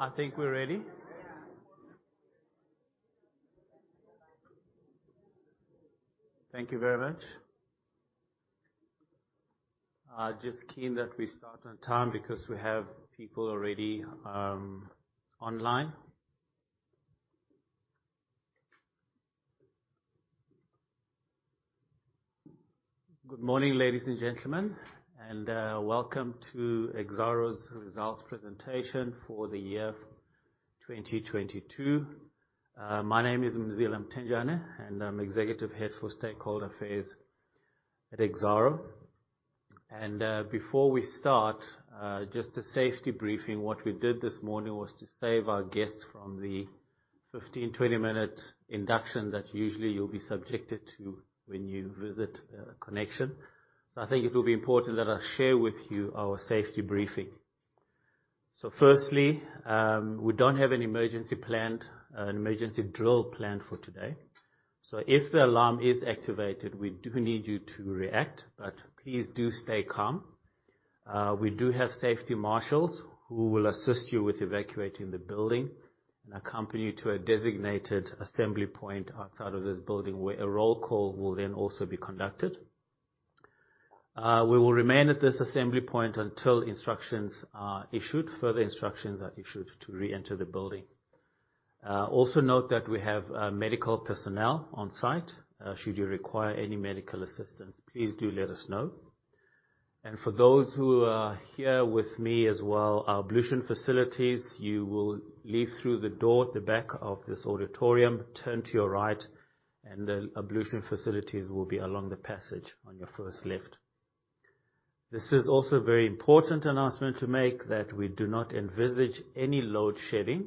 I think we're ready. Thank you very much. I just keen that we start on time because we have people already online. Good morning, ladies and gentlemen, welcome to Exxaro's results presentation for the year 2022. My name is Mzila Mthenjane, I'm Executive Head for Stakeholder Affairs at Exxaro. Before we start, just a safety briefing. What we did this morning was to save our guests from the 15, 20-minute induction that usually you'll be subjected to when you visit conneXXion. I think it will be important that I share with you our safety briefing. Firstly, we don't have an emergency plan, an emergency drill planned for today. If the alarm is activated, we do need you to react, but please do stay calm. We do have safety marshals who will assist you with evacuating the building and accompany you to a designated assembly point outside of this building, where a roll call will then also be conducted. We will remain at this assembly point until instructions are issued, further instructions are issued to reenter the building. Also note that we have medical personnel on site. Should you require any medical assistance, please do let us know. And for those who are here with me as well, our ablution facilities, you will leave through the door at the back of this auditorium, turn to your right, and the ablution facilities will be along the passage on your first left. This is also a very important announcement to make that we do not envisage any load shedding.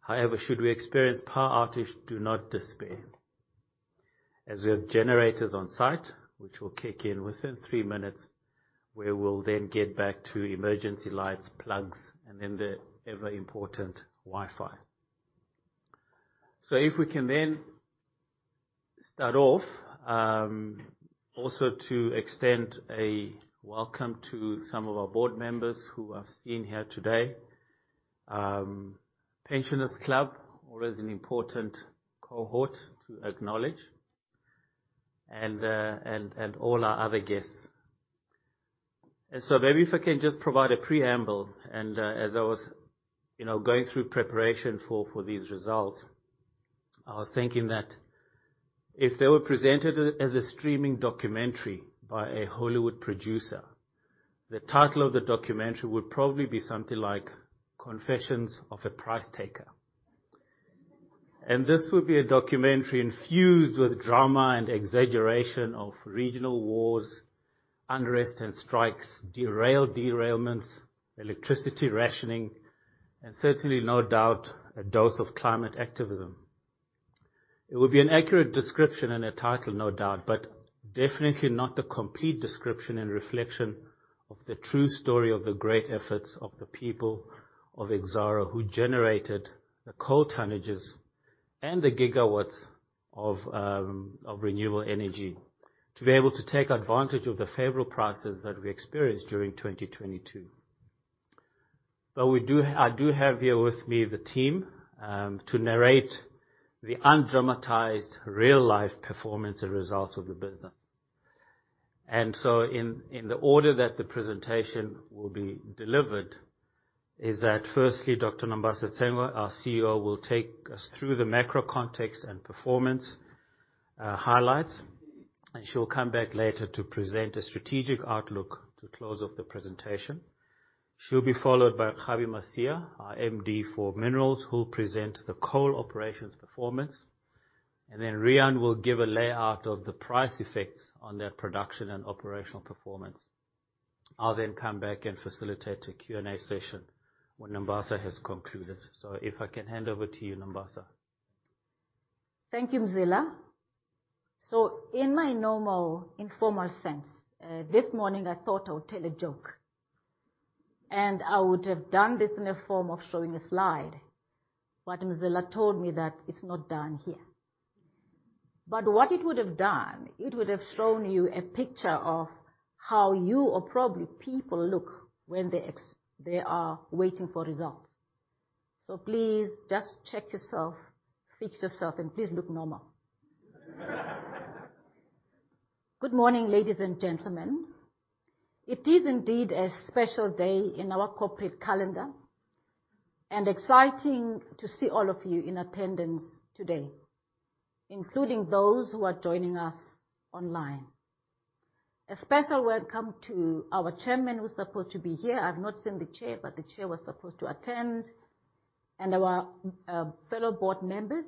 However, should we experience power outage, do not despair, as we have generators on site which will kick in within three minutes, where we'll then get back to emergency lights, plugs, and then the ever-important Wi-Fi. If we can then start off, also to extend a welcome to some of our board members who I've seen here today. Pensioners Club, always an important cohort to acknowledge, and all our other guests. Maybe if I can just provide a preamble, as I was, you know, going through preparation for these results, I was thinking that if they were presented as a streaming documentary by a Hollywood producer, the title of the documentary would probably be something like Confessions of a Price Taker. And this would be a documentary infused with drama and exaggeration of regional wars, unrest and strikes, derailments, electricity rationing, and certainly no doubt, a dose of climate activism. It would be an accurate description and a title, no doubt, but definitely not the complete description and reflection of the true story of the great efforts of the people of Exxaro who generated the coal tonnages and the gigawatts of renewable energy to be able to take advantage of the favorable prices that we experienced during 2022. I do have here with me the team to narrate the undramatized real-life performance and results of the business. In the order that the presentation will be delivered is that firstly, Dr. Nombasa Tsengwa, our CEO, will take us through the macro context and performance highlights, and she'll come back later to present a strategic outlook to close off the presentation. She'll be followed by Siyabonga Mkhwanazi, our MD for Minerals, who'll present the coal operations performance. Riaan will give a layout of the price effects on that production and operational performance. I'll then come back and facilitate a Q&A session when Nombasa has concluded. If I can hand over to you, Nombasa. Thank you, Mzila. In my normal informal sense, this morning I thought I would tell a joke, and I would have done this in a form of showing a slide. Mzila told me that it's not done here. What it would have done, it would have shown you a picture of how you or probably people look when they are waiting for results. Please just check yourself, fix yourself, and please look normal. Good morning, ladies and gentlemen. It is indeed a special day in our corporate calendar and exciting to see all of you in attendance today, including those who are joining us online. A special welcome to our chairman, who's supposed to be here. I've not seen the chair, but the chair was supposed to attend, and our fellow board members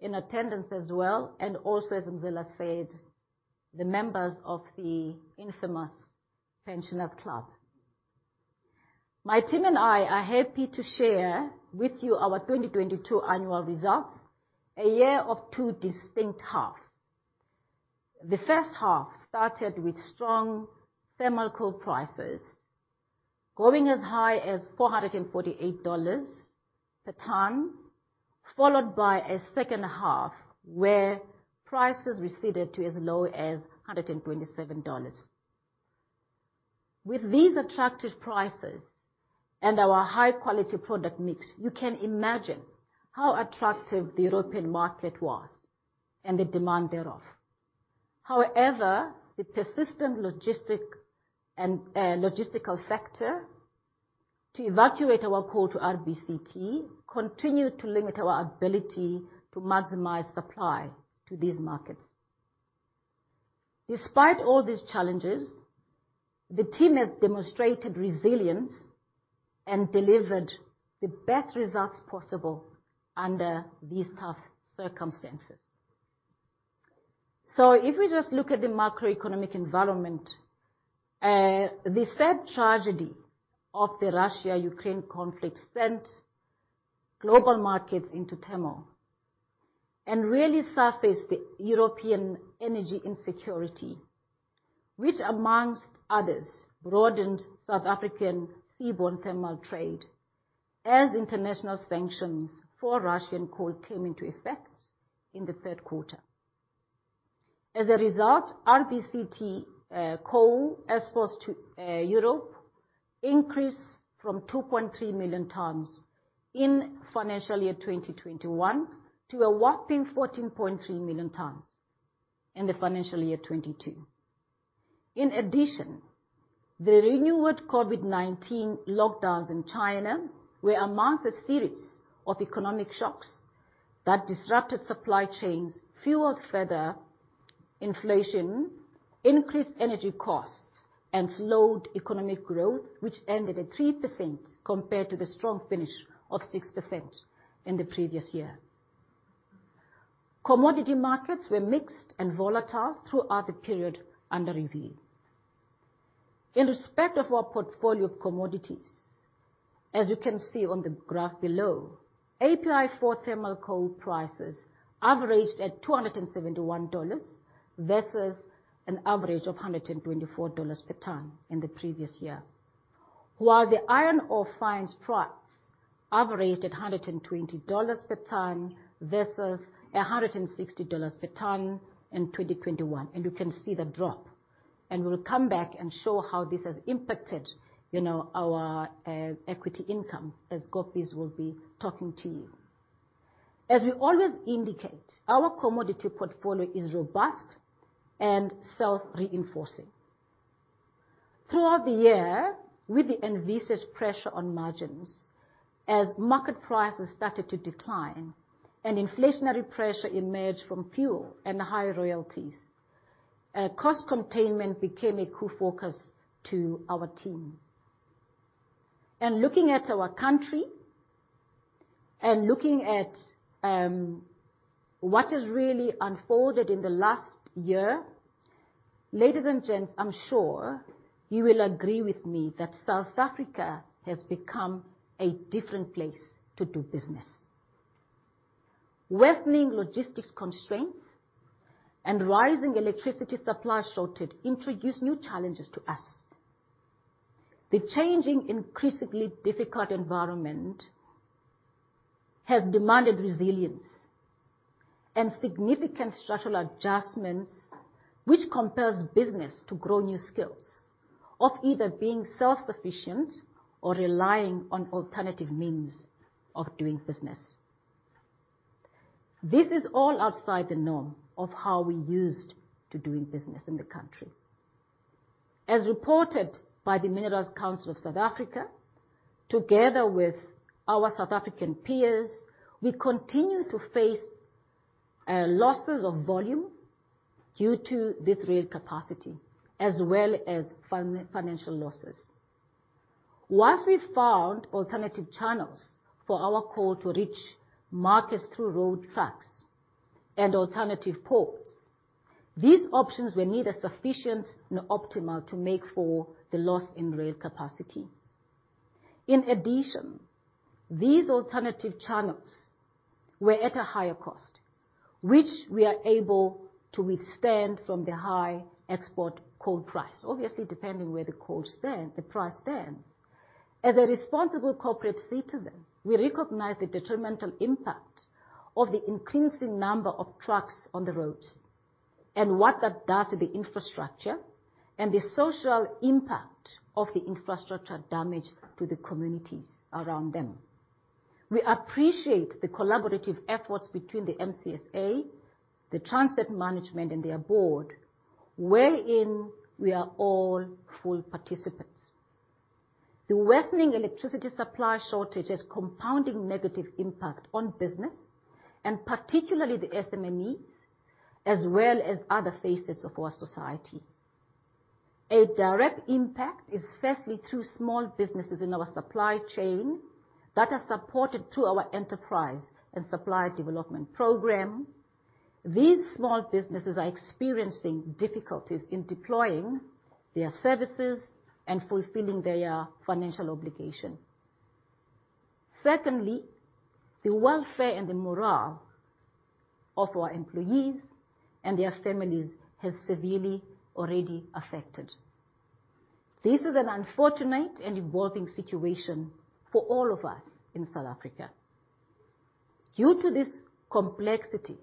in attendance as well, and also, as Mzila said, the members of the infamous Pensioners Club. My team and I are happy to share with you our 2022 annual results, a year of two distinct halves. The first half started with strong thermal coal prices going as high as $448 per ton. Followed by a second half where prices receded to as low as $127. With these attractive prices and our high-quality product mix, you can imagine how attractive the European market was and the demand thereof. The persistent logistical factor to evacuate our coal to RBCT continued to limit our ability to maximize supply to these markets. Despite all these challenges, the team has demonstrated resilience and delivered the best results possible under these tough circumstances. If we just look at the macroeconomic environment, the sad tragedy of the Russia-Ukraine conflict sent global markets into turmoil and really surfaced the European energy insecurity, which amongst others, broadened South African seaborne thermal trade as international sanctions for Russian coal came into effect in the third quarter. As a result, RBCT coal as opposed to Europe increased from 2.3 million tons in financial year 2021 to a whopping 14.3 million tons in the financial year 2022. In addition, the renewed COVID-19 lockdowns in China were amongst a series of economic shocks that disrupted supply chains, fueled further inflation, increased energy costs, and slowed economic growth, which ended at 3% compared to the strong finish of 6% in the previous year. Commodity markets were mixed and volatile throughout the period under review. In respect of our portfolio of commodities, as you can see on the graph below, API4 thermal coal prices averaged at $271 versus an average of $124 per ton in the previous year. While the iron ore fines price averaged at $120 per ton versus $160 per ton in 2021. You can see the drop, and we'll come back and show how this has impacted, you know, our equity income as Gopis will be talking to you. As we always indicate, our commodity portfolio is robust and self-reinforcing. Throughout the year, with the envisaged pressure on margins as market prices started to decline and inflationary pressure emerged from fuel and higher royalties, cost containment became a core focus to our team. Looking at our country and looking at what has really unfolded in the last year, ladies and gents, I'm sure you will agree with me that South Africa has become a different place to do business. Worsening logistics constraints and rising electricity supply shortage introduced new challenges to us. The changing, increasingly difficult environment has demanded resilience and significant structural adjustments, which compels business to grow new skills of either being self-sufficient or relying on alternative means of doing business. This is all outside the norm of how we used to doing business in the country. As reported by the Minerals Council of South Africa, together with our South African peers, we continue to face losses of volume due to this rail capacity as well as financial losses. Once we found alternative channels for our coal to reach markets through road trucks and alternative ports, these options were neither sufficient nor optimal to make for the loss in rail capacity. These alternative channels were at a higher cost, which we are able to withstand from the high export coal price, obviously, depending where the coal stands, the price stands. As a responsible corporate citizen, we recognize the detrimental impact of the increasing number of trucks on the roads and what that does to the infrastructure and the social impact of the infrastructure damage to the communities around them. We appreciate the collaborative efforts between the MCSA, the Transnet management and their board, wherein we are all full participants. The worsening electricity supply shortage is compounding negative impact on business, and particularly the SME needs, as well as other facets of our society. A direct impact is firstly through small businesses in our supply chain that are supported through our enterprise and supply development program. These small businesses are experiencing difficulties in deploying their services and fulfilling their financial obligation. Secondly, the welfare and the morale of our employees and their families has severely already affected. This is an unfortunate and evolving situation for all of us in South Africa. Due to this complexity,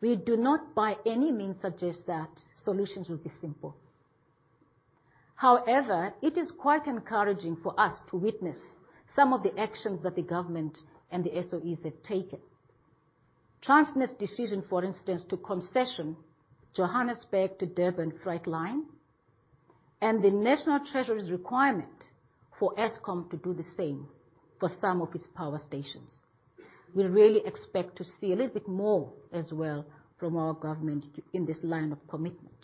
we do not by any means suggest that solutions will be simple. It is quite encouraging for us to witness some of the actions that the government and the SOEs have taken. Transnet's decision, for instance, to concession Johannesburg to Durban freight line, and the National Treasury's requirement for Eskom to do the same for some of its power stations. We really expect to see a little bit more as well from our government in this line of commitment.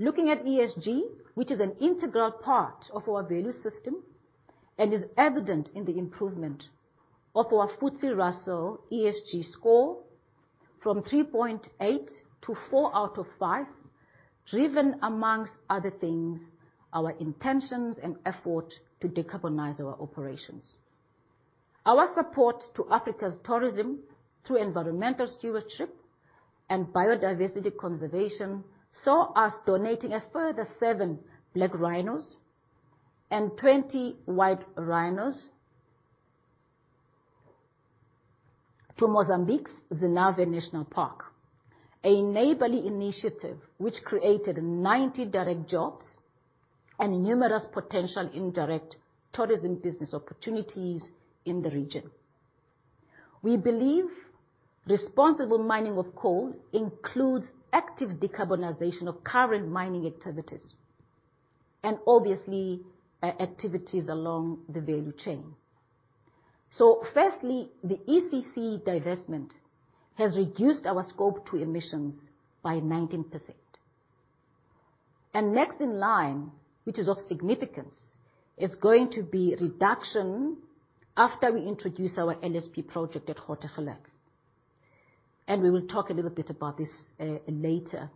Looking at ESG, which is an integral part of our value system and is evident in the improvement of our FTSE Russell ESG score from 3.8 to four out of five, driven among other things, our intentions and effort to decarbonize our operations. Our support to Africa's tourism through environmental stewardship and biodiversity conservation, saw us donating a further seven black rhinos and 20 white rhinos to Mozambique's Zinave National Park, a neighborly initiative which created 90 direct jobs and numerous potential indirect tourism business opportunities in the region. We believe responsible mining of coal includes active decarbonization of current mining activities and obviously, activities along the value chain. Firstly, the ECC divestment has reduced our scope to emissions by 19%. Next in line, which is of significance, is going to be reduction after we introduce our LSP project at Goedgevlei. We will talk a little bit about this later.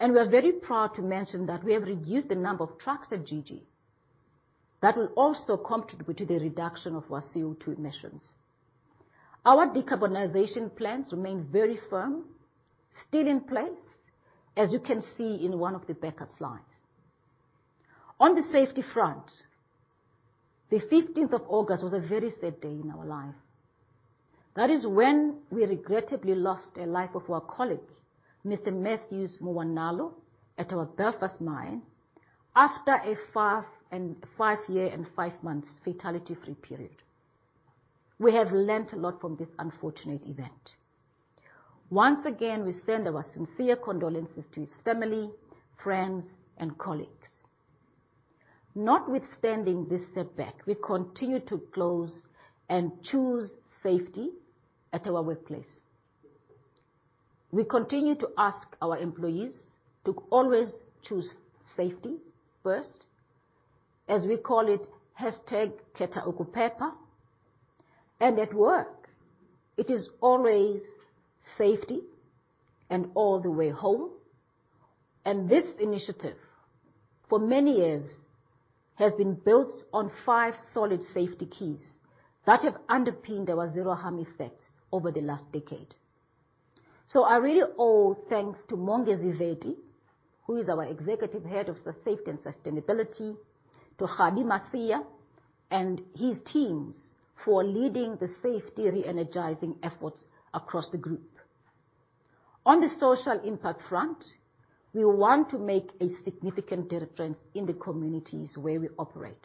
We are very proud to mention that we have reduced the number of trucks at GG. That will also contribute to the reduction of our CO2 emissions. Our decarbonization plans remain very firm, still in place, as you can see in one of the backup slides. On the safety front, the 15th of August was a very sad day in our life. That is when we regrettably lost a life of our colleague, Mr. Matthews Muwanalo, at our Belfast mine after a five year and five months fatality-free period. We have learned a lot from this unfortunate event. Once again, we send our sincere condolences to his family, friends and colleagues. Notwithstanding this setback, we continue to close and choose safety at our workplace. We continue to ask our employees to always choose safety first, as we call it, #KeteOpepa. At work, it is always safety and all the way home. This initiative for many years has been built on five solid safety keys that have underpinned our zero harm effects over the last decade. I really owe thanks to Mongezi Veti, who is our Executive Head of Safety and Sustainability, to Kgabi Masia and his teams for leading the safety re-energizing efforts across the group. On the social impact front, we want to make a significant difference in the communities where we operate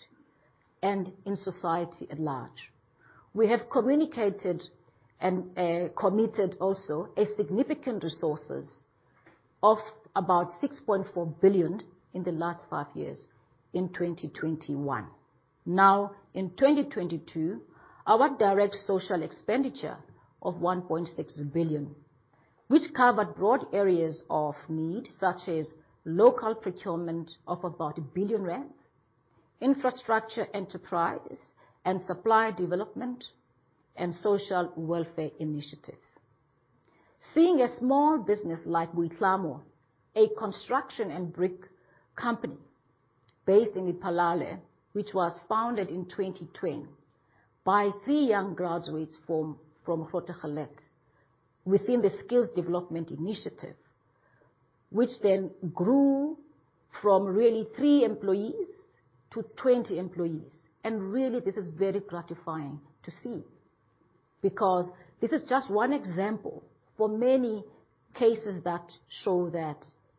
and in society at large. We have communicated and committed also a significant resources of about 6.4 billion in the last five years in 2021. Now, in 2022, our direct social expenditure of 1.6 billion, which covered broad areas of need such as local procurement of about 1 billion rand, infrastructure enterprise and supply development and social welfare initiative. Seeing a small business like Witlaagte, a construction and brick company based in Polokwane, which was founded in 2010 by three young graduates from Goedgevlei within the skills development initiative, which then grew from really three employees to 20 employees, and really this is very gratifying to see because this is just one example for many cases that show that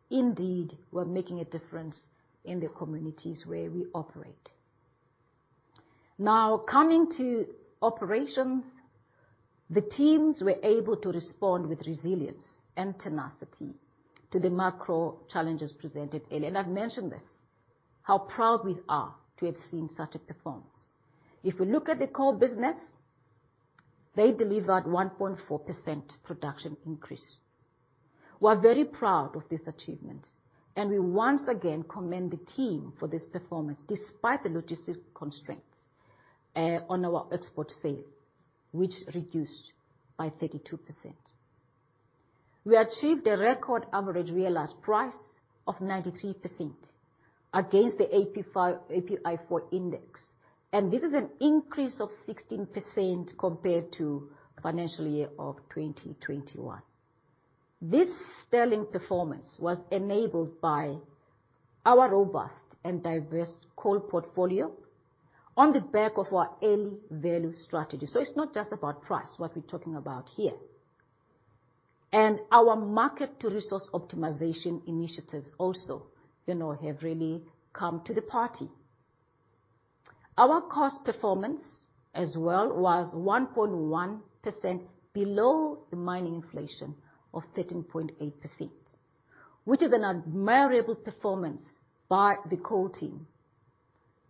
indeed we're making a difference in the communities where we operate. Coming to operations, the teams were able to respond with resilience and tenacity to the macro challenges presented earlier. I've mentioned this, how proud we are to have seen such a performance. If we look at the core business, they delivered 1.4% production increase. We are very proud of this achievement, and we once again commend the team for this performance despite the logistic constraints, on our export sales, which reduced by 32%. We achieved a record average realized price of 93% against the API4 index, and this is an increase of 16% compared to the financial year of 2021.This sterling performance was enabled by our robust and diverse coal portfolio on the back of our Early Value Strategy. It's not just about price, what we're talking about here. Our market to resource optimization initiatives also, you know, have really come to the party. Our cost performance as well was 1.1% below the mining inflation of 13.8%, which is an admirable performance by the coal team,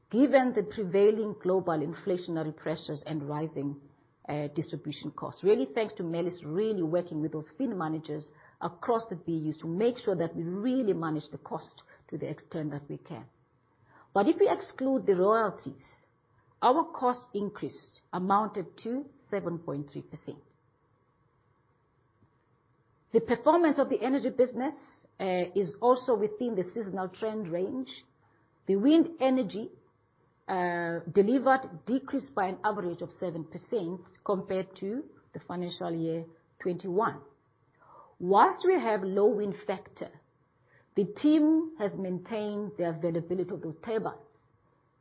given the prevailing global inflationary pressures and rising distribution costs. Really thanks to Mellis really working with those field managers across the BUs to make sure that we really manage the cost to the extent that we can. If we exclude the royalties, our cost increase amounted to 7.3%. The performance of the energy business is also within the seasonal trend range. The wind energy delivered decreased by an average of 7% compared to the financial year 2021. Whilst we have low wind factor, the team has maintained the availability of those turbines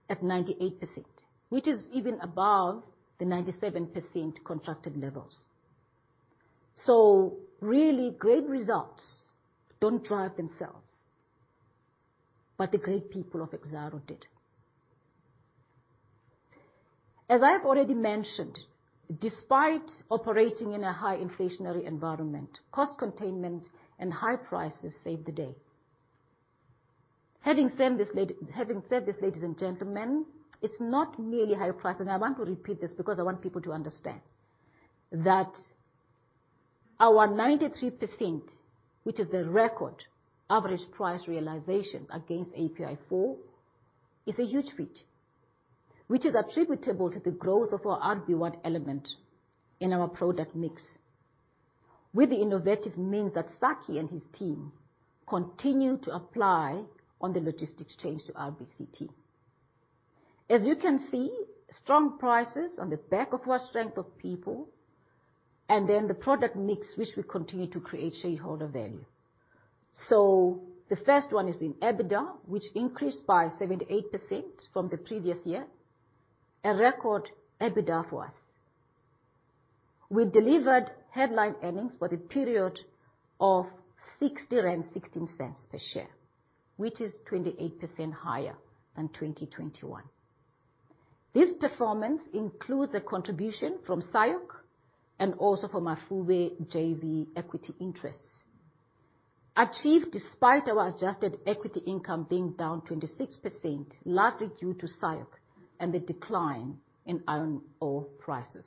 at 98%, which is even above the 97% contracted levels. Really great results don't drive themselves, but the great people of Exxaro did. As I've already mentioned, despite operating in a high inflationary environment, cost containment and high prices saved the day. Having said this, ladies and gentlemen, it's not merely high price, and I want to repeat this because I want people to understand, that our 93%, which is the record average price realization against API4, is a huge feat which is attributable to the growth of our RB1 element in our product mix. With the innovative means that Sakkie and his team continue to apply on the logistics change to RBCT. As you can see, strong prices on the back of our strength of people, and then the product mix, which will continue to create shareholder value. The first one is in EBITDA, which increased by 78% from the previous year, a record EBITDA for us. We delivered headline earnings for the period of 60.16 rand per share, which is 28% higher than 2021. This performance includes a contribution from SIOC and also from our Mafube JV equity interests. Achieved despite our adjusted equity income being down 26%, largely due to SIOC and the decline in iron ore prices.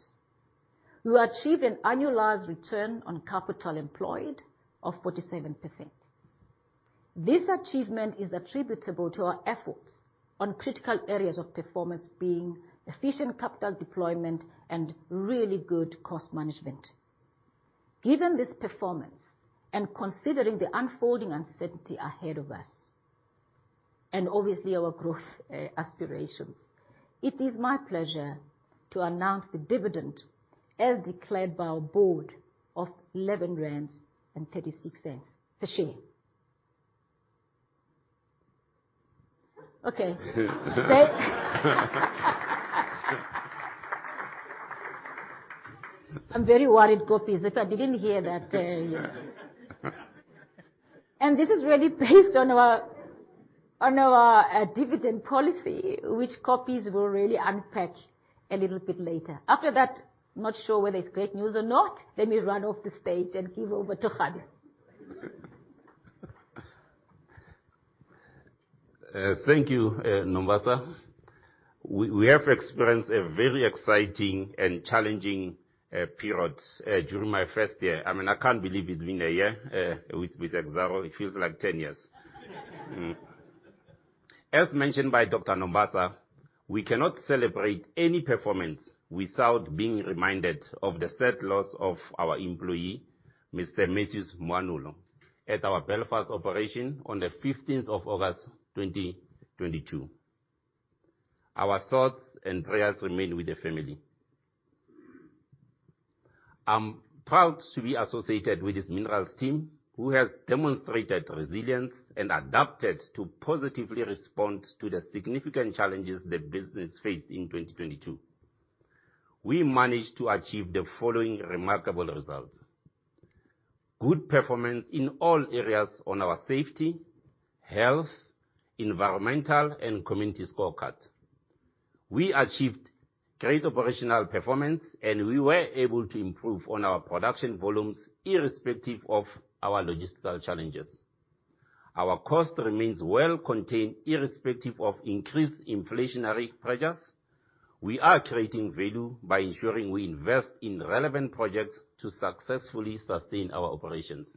We achieved an annualized return on capital employed of 47%. This achievement is attributable to our efforts on critical areas of performance being efficient capital deployment and really good cost management. Given this performance and considering the unfolding uncertainty ahead of us and obviously our growth aspirations, it is my pleasure to announce the dividend as declared by our board of 11.36 rand per share. Okay. I'm very worried, Koppes, if I didn't hear that. This is really based on our, on our dividend policy, which Koppes will really unpack a little bit later. After that, not sure whether it's great news or not. Let me run off the stage and give over to Kgabi. Thank you, Nombasa. We have experienced a very exciting and challenging period during my first year. I mean, I can't believe it's been a year with Exxaro. It feels like 10 years. As mentioned by Dr. Nombasa, we cannot celebrate any performance without being reminded of the sad loss of our employee, Mr. Mathews Moanalo, at our Belfast operation on the 15th of August, 2022. Our thoughts and prayers remain with the family. I'm proud to be associated with this minerals team, who has demonstrated resilience and adapted to positively respond to the significant challenges the business faced in 2022. We managed to achieve the following remarkable results. Good performance in all areas on our safety, health, environmental, and community scorecard. We achieved great operational performance, and we were able to improve on our production volumes, irrespective of our logistical challenges. Our cost remains well contained, irrespective of increased inflationary pressures. We are creating value by ensuring we invest in relevant projects to successfully sustain our operations.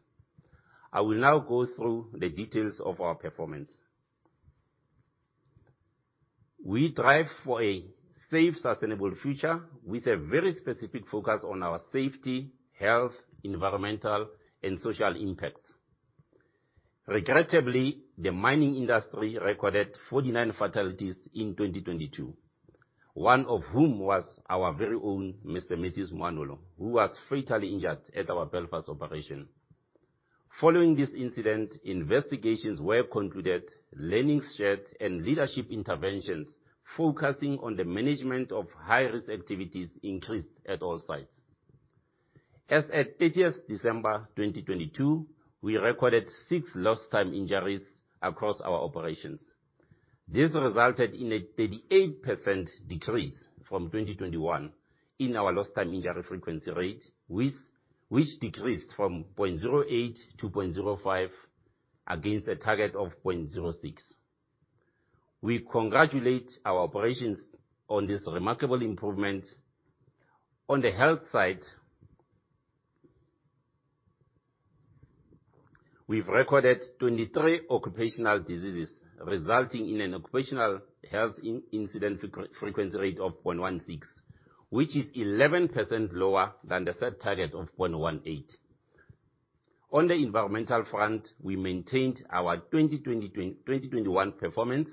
I will now go through the details of our performance. We thrive for a safe, sustainable future with a very specific focus on our safety, health, environmental, and social impacts. Regrettably, the mining industry recorded 49 fatalities in 2022, one of whom was our very own Mr. Mathews Moanalo, who was fatally injured at our Belfast operation. Following this incident, investigations were concluded, learnings shared, and leadership interventions focusing on the management of high-risk activities increased at all sites. As at 30th December 2022, we recorded six lost time injuries across our operations. This resulted in a 38% decrease from 2021 in our lost time injury frequency rate, which decreased from 0.08 to 0.05 against a target of 0.06. We congratulate our operations on this remarkable improvement. On the health side, we've recorded 23 occupational diseases, resulting in an occupational health incident frequency rate of 116, which is 11% lower than the set target of 118. On the environmental front, we maintained our 2021 performance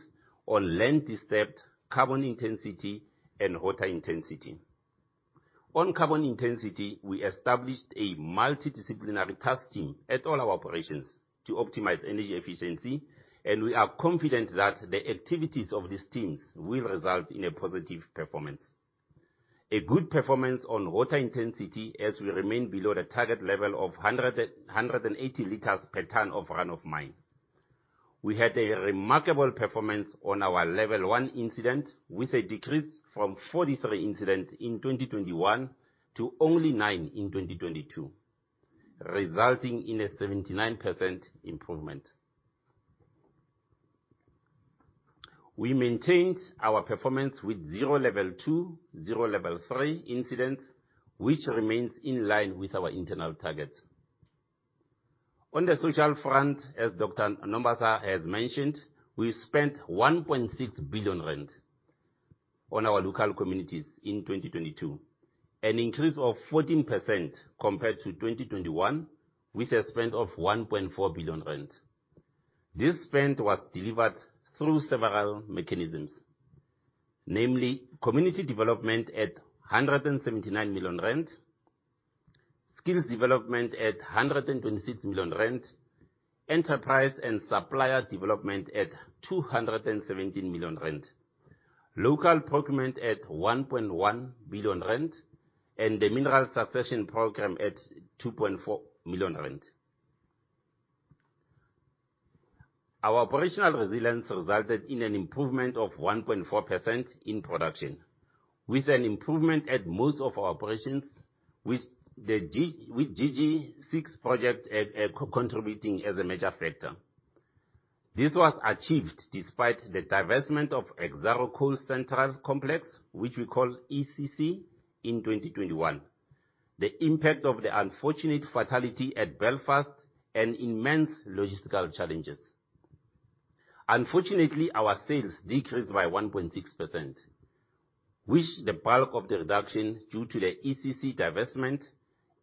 on land disturbed carbon intensity and water intensity. On carbon intensity, we established a multidisciplinary task team at all our operations to optimize energy efficiency, and we are confident that the activities of these teams will result in a positive performance. A good performance on water intensity, as we remain below the target level of 180 L per ton of run of mine. We had a remarkable performance on our Level 1 incident, with a decrease from 43 incidents in 2021 to only 9 in 2022, resulting in a 79% improvement. We maintained our performance with zero Level 2, zero Level 3 incidents, which remains in line with our internal targets. On the social front, as Dr. Nombasa has mentioned, we spent 1.6 billion rand on our local communities in 2022, an increase of 14% compared to 2021, with a spend of 1.4 billion rand. This spend was delivered through several mechanisms, namely community development at 179 million rand, skills development at 126 million rand, enterprise and supplier development at 217 million rand, local procurement at 1.1 billion rand, and the mineral succession program at 2.4 million rand. Our operational resilience resulted in an improvement of 1.4% in production, with an improvement at most of our operations with the GG6 project co-contributing as a major factor. This was achieved despite the divestment of Exxaro Coal Central Complex, which we call ECC, in 2021, the impact of the unfortunate fatality at Belfast, and immense logistical challenges. Unfortunately, our sales decreased by 1.6%, which the bulk of the reduction due to the ECC divestment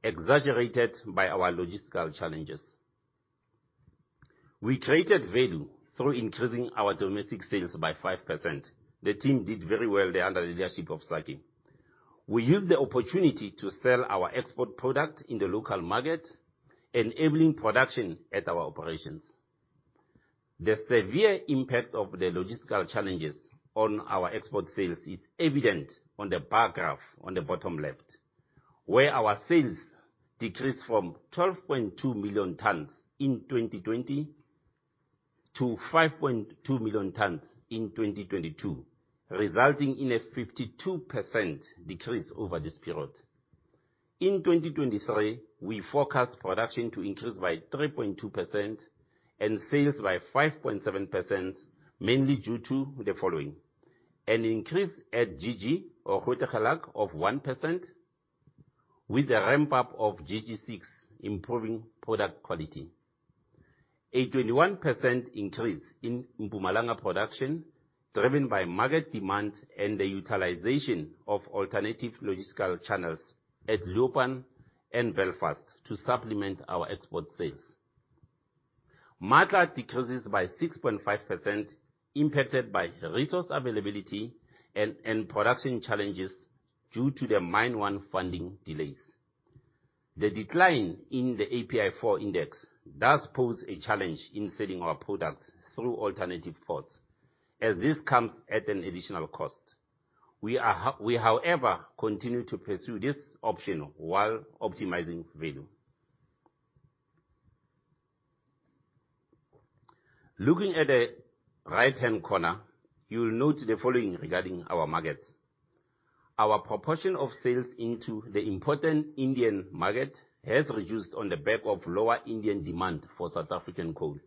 exaggerated by our logistical challenges. We created value through increasing our domestic sales by 5%. The team did very well there under the leadership of Sakkie. We used the opportunity to sell our export product in the local market, enabling production at our operations. The severe impact of the logistical challenges on our export sales is evident on the bar graph on the bottom left, where our sales decreased from 12.2 million tons in 2020 to 5.2 million tons in 2022, resulting in a 52% decrease over this period. In 2023, we forecast production to increase by 3.2% and sales by 5.7%, mainly due to the following: an increase at GG or Goedgevlei of 1% with a ramp up of GG6 improving product quality. A 21% increase in Mpumalanga production driven by market demand and the utilization of alternative logistical channels at Leeuwpan and Belfast to supplement our export sales. Matla decreases by 6.5%, impacted by resource availability and production challenges due to the mine one funding delays. The decline in the API4 index does pose a challenge in selling our products through alternative ports, as this comes at an additional cost. We, however, continue to pursue this option while optimizing value. Looking at the right-hand corner, you will note the following regarding our markets. Our proportion of sales into the important Indian market has reduced on the back of lower Indian demand for South African coal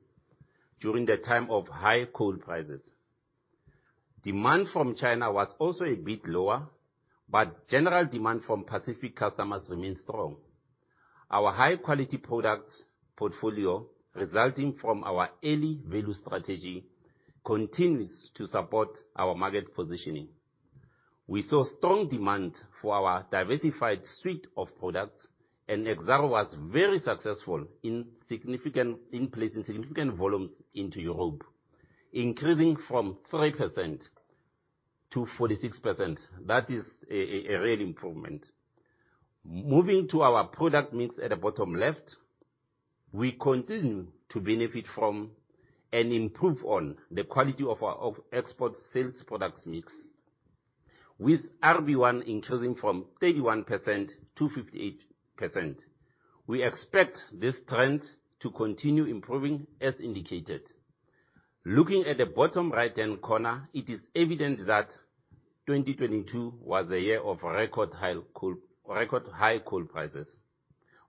during the time of high coal prices. Demand from China was also a bit lower, but general demand from Pacific customers remains strong. Our high-quality products portfolio, resulting from our Early Value Strategy, continues to support our market positioning. We saw strong demand for our diversified suite of products, Exxaro was very successful in placing significant volumes into Europe, increasing from 3%-46%. That is a real improvement. Moving to our product mix at the bottom left, we continue to benefit from and improve on the quality of our export sales products mix. With RB1 increasing from 31%-58%, we expect this trend to continue improving as indicated. Looking at the bottom right-hand corner, it is evident that 2022 was a year of record high coal, record high coal prices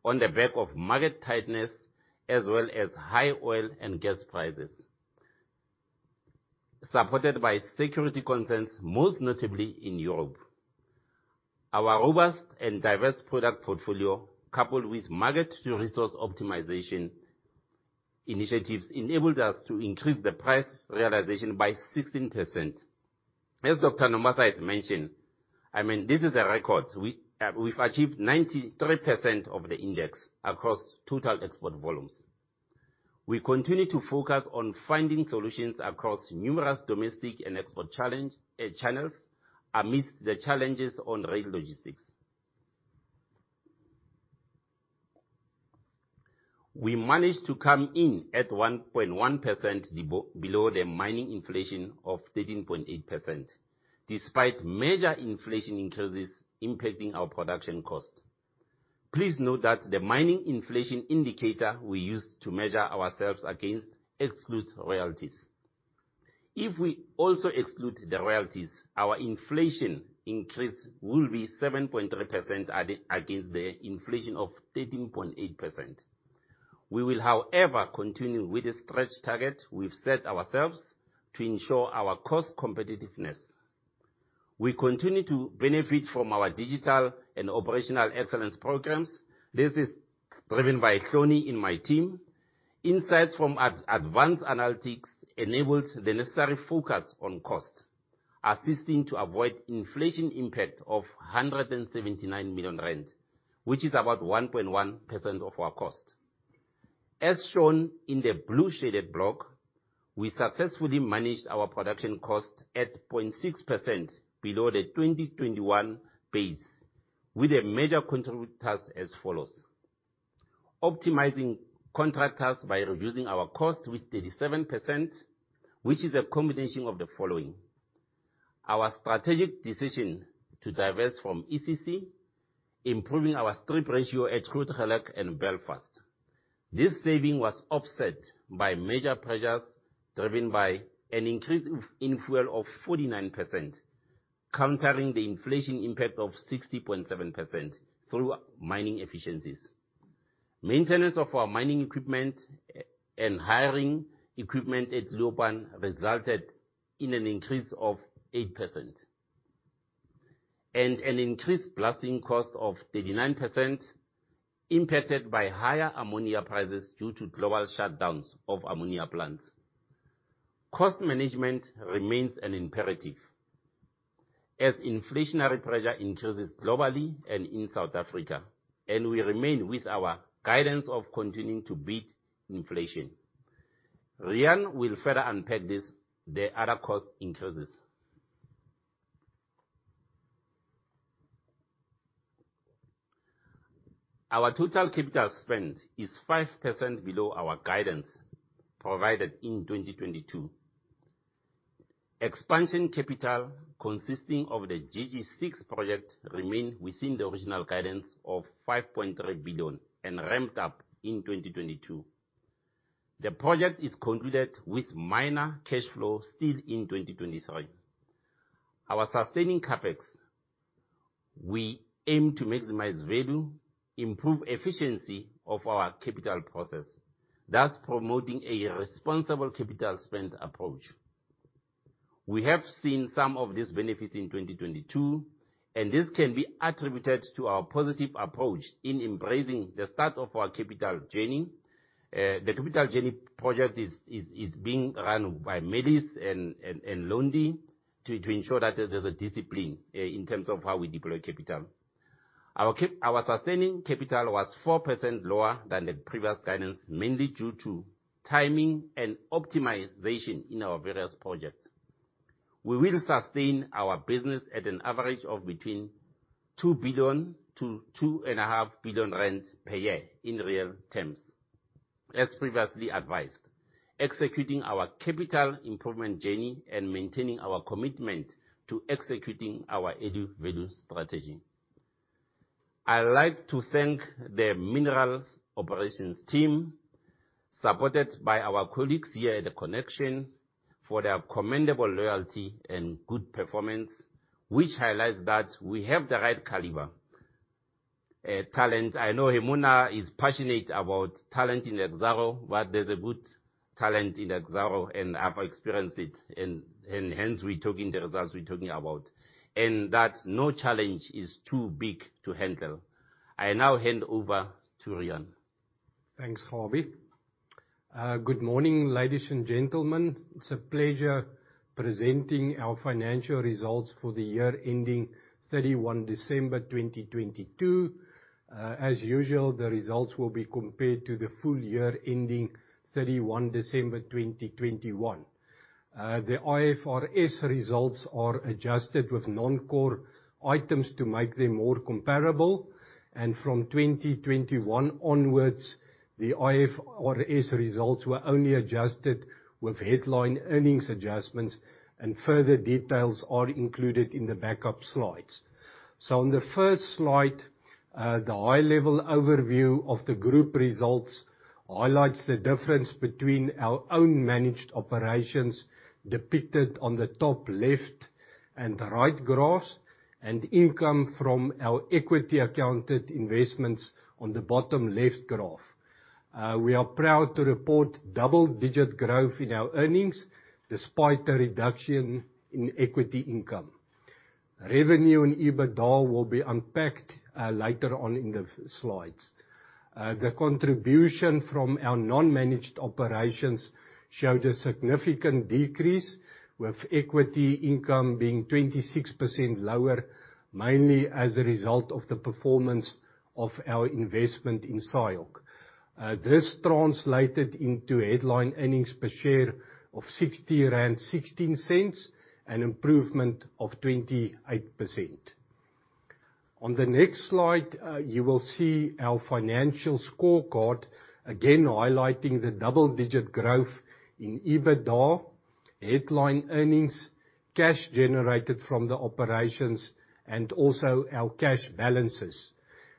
on the back of market tightness as well as high oil and gas prices, supported by security concerns, most notably in Europe. Our robust and diverse product portfolio, coupled with market-to-resource optimization initiatives, enabled us to increase the price realization by 16%. As Dr. Nombasa has mentioned, I mean, this is a record. We've achieved 93% of the index across total export volumes. We continue to focus on finding solutions across numerous domestic and export channels amidst the challenges on rail logistics. We managed to come in at 1.1% below the mining inflation of 13.8%, despite major inflation increases impacting our production cost. Please note that the mining inflation indicator we use to measure ourselves against excludes royalties. If we also exclude the royalties, our inflation increase will be 7.3% against the inflation of 13.8%. We will, however, continue with the stretch target we've set ourselves to ensure our cost competitiveness. We continue to benefit from our digital and operational excellence programs. This is driven by Hloni in my team. Insights from advanced analytics enables the necessary focus on cost, assisting to avoid inflation impact of 179 million rand, which is about 1.1% of our cost. As shown in the blue shaded block, we successfully managed our production cost at 0.6% below the 2021 base, with the major contributors as follows: Optimizing contractors by reducing our cost with 37%, which is a combination of the following: Our strategic decision to divest from ECC, improving our strip ratio at Goedgevlei and Belfast. This saving was offset by major pressures driven by an increase in fuel of 49%, countering the inflation impact of 60.7% through mining efficiencies. Maintenance of our mining equipment and hiring equipment at Leeuwpan resulted in an increase of 8% and an increased blasting cost of 39% impacted by higher ammonia prices due to global shutdowns of ammonia plants. Cost management remains an imperative as inflationary pressure increases globally and in South Africa. We remain with our guidance of continuing to beat inflation. Riaan will further unpack this, the other cost increases. Our total capital spend is 5% below our guidance provided in 2022. Expansion capital, consisting of the GG6 project, remain within the original guidance of 5.3 billion and ramped up in 2022. The project is concluded with minor cash flow still in 2023. Our sustaining CapEx, we aim to maximize value, improve efficiency of our capital process, thus promoting a responsible capital spend approach. We have seen some of these benefits in 2022. This can be attributed to our positive approach in embracing the start of our capital journey. The capital journey project is being run by Mellis and Londi to ensure that there's a discipline in terms of how we deploy capital. Our sustaining capital was 4% lower than the previous guidance, mainly due to timing and optimization in our various projects. We will sustain our business at an average of between 2 billion-2.5 billion rand per year in real terms, as previously advised, executing our capital improvement journey and maintaining our commitment to executing our add value strategy. I'd like to thank the minerals operations team, supported by our colleagues here at the conneXXion, for their commendable loyalty and good performance, which highlights that we have the right caliber, talent. I know Hemuna is passionate about talent in Exxaro, but there's a good talent in Exxaro, and I've experienced it and hence we're talking the results we're talking about, and that no challenge is too big to handle. I now hand over to Riaan. Thanks, Kgabi. Good morning, ladies and gentlemen. It's a pleasure presenting our financial results for the year ending 31 December 2022. As usual, the results will be compared to the full year ending 31 December 2021. The IFRS results are adjusted with non-core items to make them more comparable. From 2021 onwards, the IFRS results were only adjusted with headline earnings adjustments, and further details are included in the backup slides. On the first slide, the high level overview of the group results highlights the difference between our own managed operations depicted on the top left and the right graphs, and income from our equity accounted investments on the bottom left graph. We are proud to report double-digit growth in our earnings despite a reduction in equity income. Revenue and EBITDA will be unpacked later on in the slides. The contribution from our non-managed operations showed a significant decrease, with equity income being 26% lower, mainly as a result of the performance of our investment in SIOC. This translated into headline earnings per share of 60.16 rand, an improvement of 28%. On the next slide, you will see our financial scorecard, again highlighting the double-digit growth in EBITDA, headline earnings, cash generated from the operations, and also our cash balances.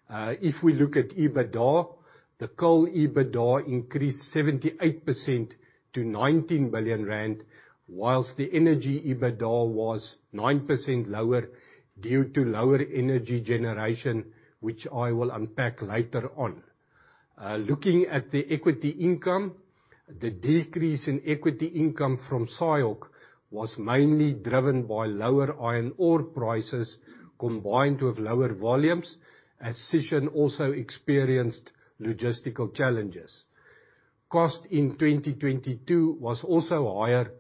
If we look at EBITDA, the coal EBITDA increased 78% to 19 billion rand, whilst the energy EBITDA was 9% lower due to lower energy generation, which I will unpack later on. Looking at the equity income, the decrease in equity income from SIOC was mainly driven by lower iron ore prices combined with lower volumes, as Sishen also experienced logistical challenges. Cost in 2022 was also higher,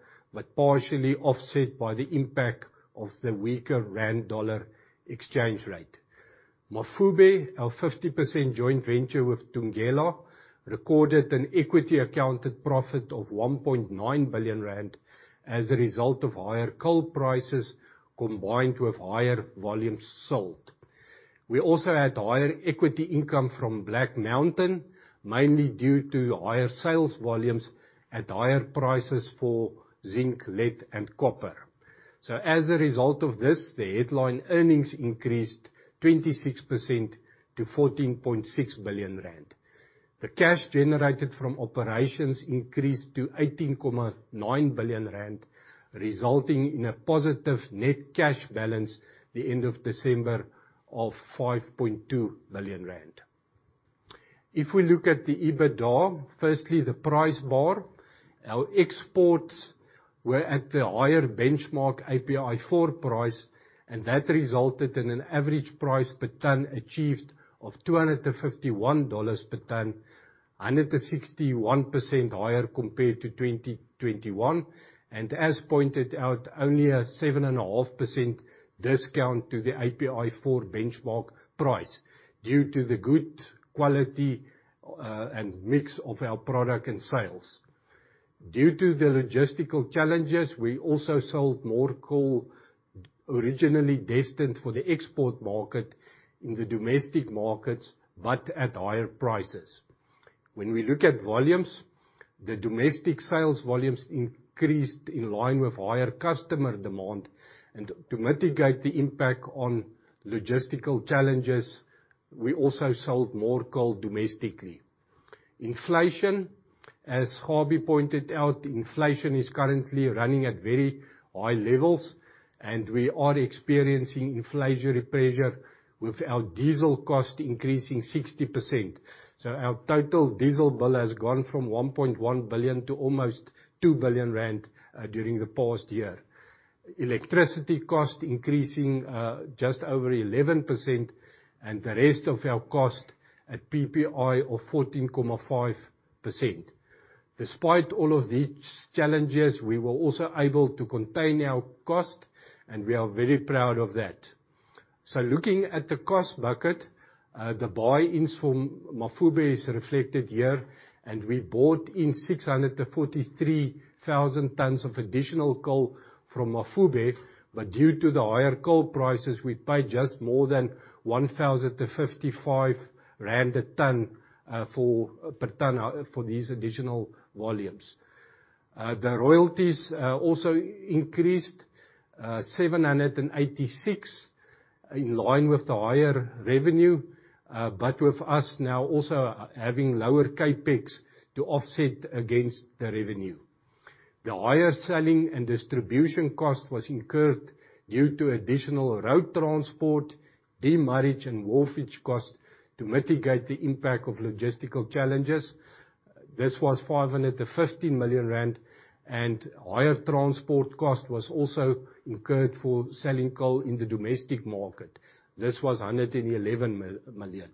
partially offset by the impact of the weaker rand-dollar exchange rate. Mafube, our 50% joint venture with Thungela Resources, recorded an equity accounted profit of 1.9 billion rand as a result of higher coal prices combined with higher volumes sold. We also had higher equity income from Black Mountain Mining, mainly due to higher sales volumes at higher prices for zinc, lead, and copper. As a result of this, the headline earnings increased 26% to 14.6 billion rand. The cash generated from operations increased to 18.9 billion rand, resulting in a positive net cash balance the end of December of 5.2 billion rand. If we look at the EBITDA, firstly the price bar. Our exports were at the higher benchmark API4 price, that resulted in an average price per ton achieved of $251 per ton, 161% higher compared to 2021. As pointed out, only a 7.5% discount to the API4 benchmark price due to the good quality and mix of our product and sales. Due to the logistical challenges, we also sold more coal originally destined for the export market in the domestic markets, but at higher prices. When we look at volumes, the domestic sales volumes increased in line with higher customer demand. To mitigate the impact on logistical challenges, we also sold more coal domestically. Inflation. As Harvey pointed out, inflation is currently running at very high levels, and we are experiencing inflationary pressure with our diesel cost increasing 60%. Our total diesel bill has gone from 1.1 billion to almost 2 billion rand during the past year. Electricity cost increasing just over 11%, and the rest of our cost at PPI of 14.5%. Despite all of these challenges, we were also able to contain our cost, and we are very proud of that. Looking at the cost bucket, the buy-ins from Mafube is reflected here, and we bought in 643,000 tons of additional coal from Mafube. Due to the higher coal prices, we paid just more than 1,055 rand a ton for per ton for these additional volumes. The royalties also increased 786 in line with the higher revenue, with us now also having lower CapEx to offset against the revenue. The higher selling and distribution cost was incurred due to additional road transport, demurrage and wharfage cost to mitigate the impact of logistical challenges. This was 550 million rand. Higher transport cost was also incurred for selling coal in the domestic market. This was 111 million.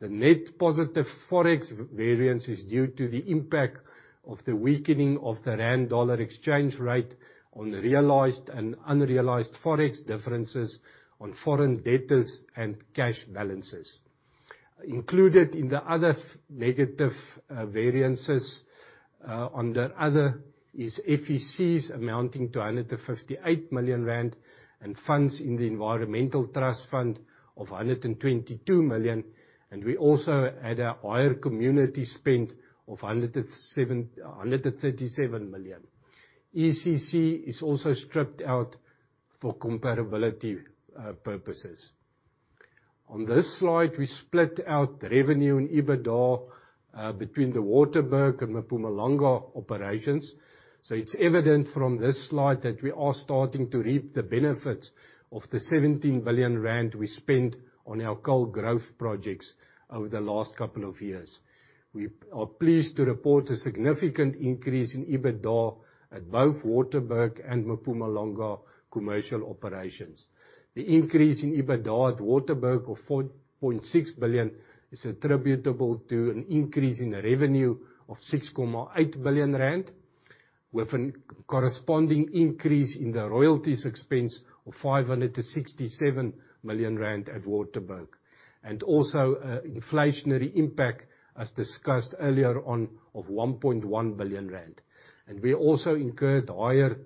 The net positive Forex variance is due to the impact of the weakening of the rand/dollar exchange rate on realized and unrealized Forex differences on foreign debtors and cash balances. Included in the other negative variances under other, is FECs amounting to 158 million rand, and funds in the environmental trust fund of 122 million, and we also had a higher community spend of 137 million. ECC is also stripped out for comparability purposes. On this slide, we split out revenue and EBITDA between the Waterberg and Mpumalanga operations. It's evident from this slide that we are starting to reap the benefits of the 17 billion rand we spent on our coal growth projects over the last couple of years. We are pleased to report a significant increase in EBITDA at both Waterberg and Mpumalanga commercial operations. The increase in EBITDA at Waterberg of 4.6 billion is attributable to an increase in revenue of 6.8 billion rand, with an corresponding increase in the royalties expense of 500 million-67 million rand at Waterberg, and also, inflationary impact, as discussed earlier on, of 1.1 billion rand. We also incurred higher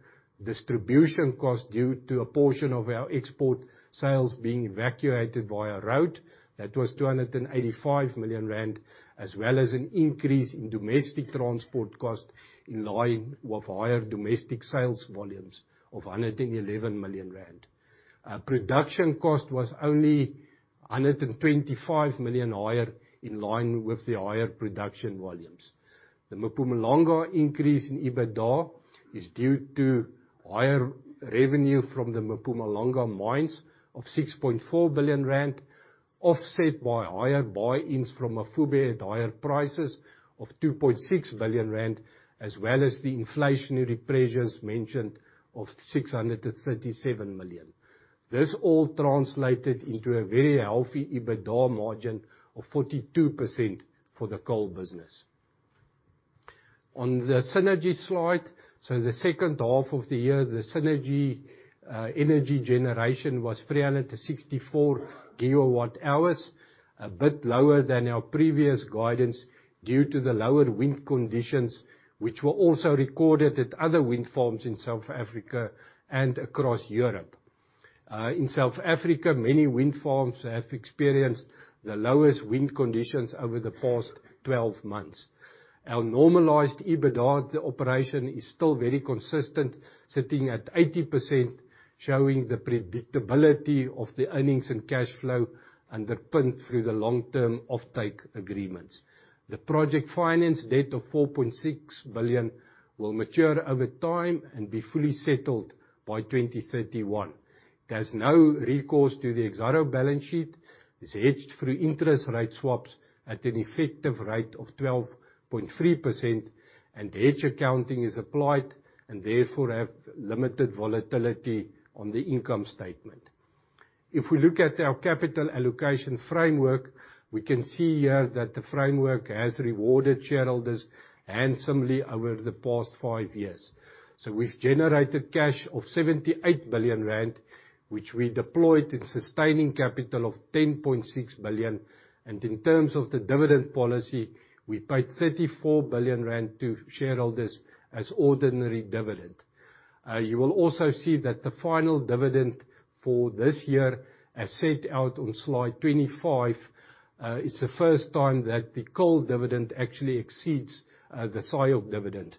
distribution costs due to a portion of our export sales being evacuated via road. That was 285 million rand, as well as an increase in domestic transport costs in line with higher domestic sales volumes of 111 million rand. Production cost was only 125 million higher in line with the higher production volumes. The Mpumalanga increase in EBITDA is due to higher revenue from the Mpumalanga mines of 6.4 billion rand, offset by higher buy-ins from Mafube at higher prices of 2.6 billion rand, as well as the inflationary pressures mentioned of 637 million. This all translated into a very healthy EBITDA margin of 42% for the coal business. On the synergy slide, so the second half of the year, the synergy, energy generation was 300 to 64 GW hours, a bit lower than our previous guidance due to the lower wind conditions, which were also recorded at other wind farms in South Africa and across Europe. In South Africa, many wind farms have experienced the lowest wind conditions over the past 12 months. Our normalized EBITDA, the operation, is still very consistent, sitting at 80%, showing the predictability of the earnings and cash flow underpinned through the long-term offtake agreements. The project finance debt of 4.6 billion will mature over time and be fully settled by 2031. There's no recourse to the Exxaro balance sheet. It's hedged through interest rate swaps at an effective rate of 12.3%. Hedge accounting is applied and therefore have limited volatility on the income statement. If we look at our capital allocation framework, we can see here that the framework has rewarded shareholders handsomely over the past five years. We've generated cash of 78 billion rand, which we deployed in sustaining capital of 10.6 billion. In terms of the dividend policy, we paid 34 billion rand to shareholders as ordinary dividend. You will also see that the final dividend for this year, as set out on Slide 25, it's the first time that the coal dividend actually exceeds the SIOC dividend.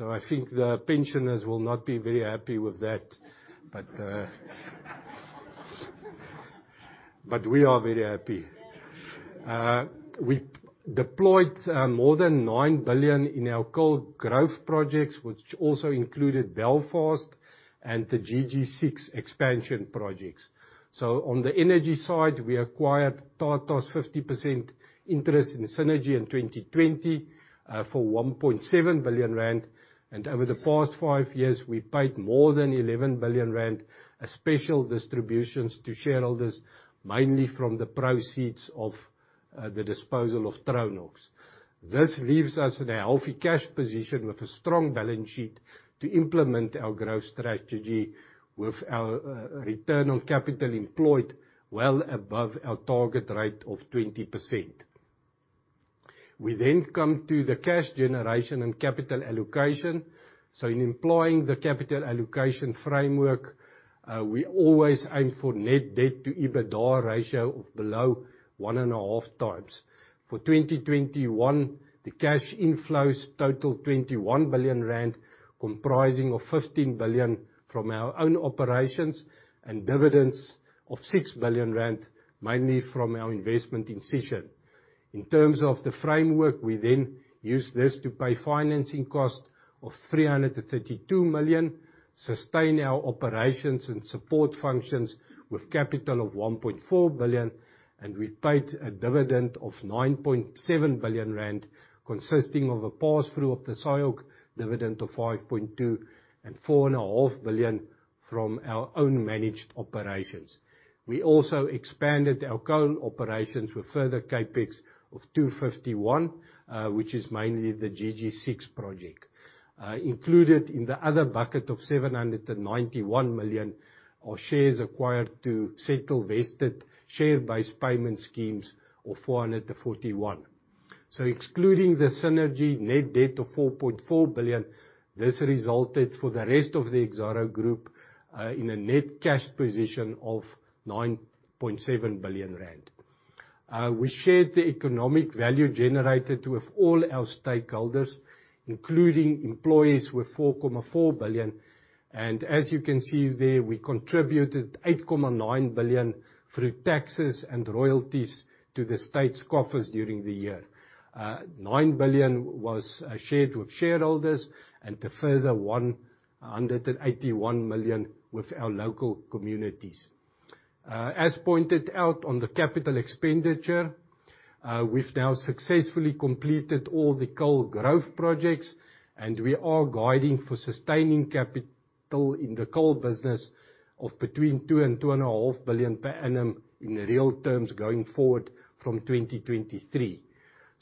I think the pensioners will not be very happy with that. We are very happy. We deployed more than 9 billion in our coal growth projects, which also included Belfast and the GG6 expansion projects. On the energy side, we acquired Tata's 50% interest in Cennergi in 2020 for 1.7 billion rand. Over the past five years, we paid more than 11 billion rand as special distributions to shareholders, mainly from the proceeds of the disposal of Tronox. This leaves us in a healthy cash position with a strong balance sheet to implement our growth strategy with our return on capital employed well above our target rate of 20%. We come to the cash generation and capital allocation. In employing the capital allocation framework, we always aim for net debt to EBITDA ratio of below 1.5x. For 2021, the cash inflows total 21 billion rand, comprising of 15 billion from our own operations and dividends of 6 billion rand, mainly from our investment in Sishen. In terms of the framework, we use this to pay financing costs of 300 million-332 million, sustain our operations and support functions with capital of 1.4 billion, we paid a dividend of 9.7 billion rand consisting of a pass-through of the SIOC dividend of 5.2 billion and 4.5 billion from our own managed operations. We also expanded our coal operations with further CapEx of 251 million, which is mainly the GG6 project. Included in the other bucket of 791 million are shares acquired to settle vested share-based payment schemes of 400 million-41 million. Excluding the Cennergi net debt of 4.4 billion, this resulted for the rest of the Exxaro Group in a net cash position of 9.7 billion rand. We shared the economic value generated with all our stakeholders, including employees, with 4.4 billion. As you can see there, we contributed 8.9 billion through taxes and royalties to the state's coffers during the year. 9 billion was shared with shareholders and a further 181 million with our local communities. As pointed out on the capital expenditure, we've now successfully completed all the coal growth projects, and we are guiding for sustaining capital in the coal business of between 2 billion and 2.5 billion per annum in real terms going forward from 2023.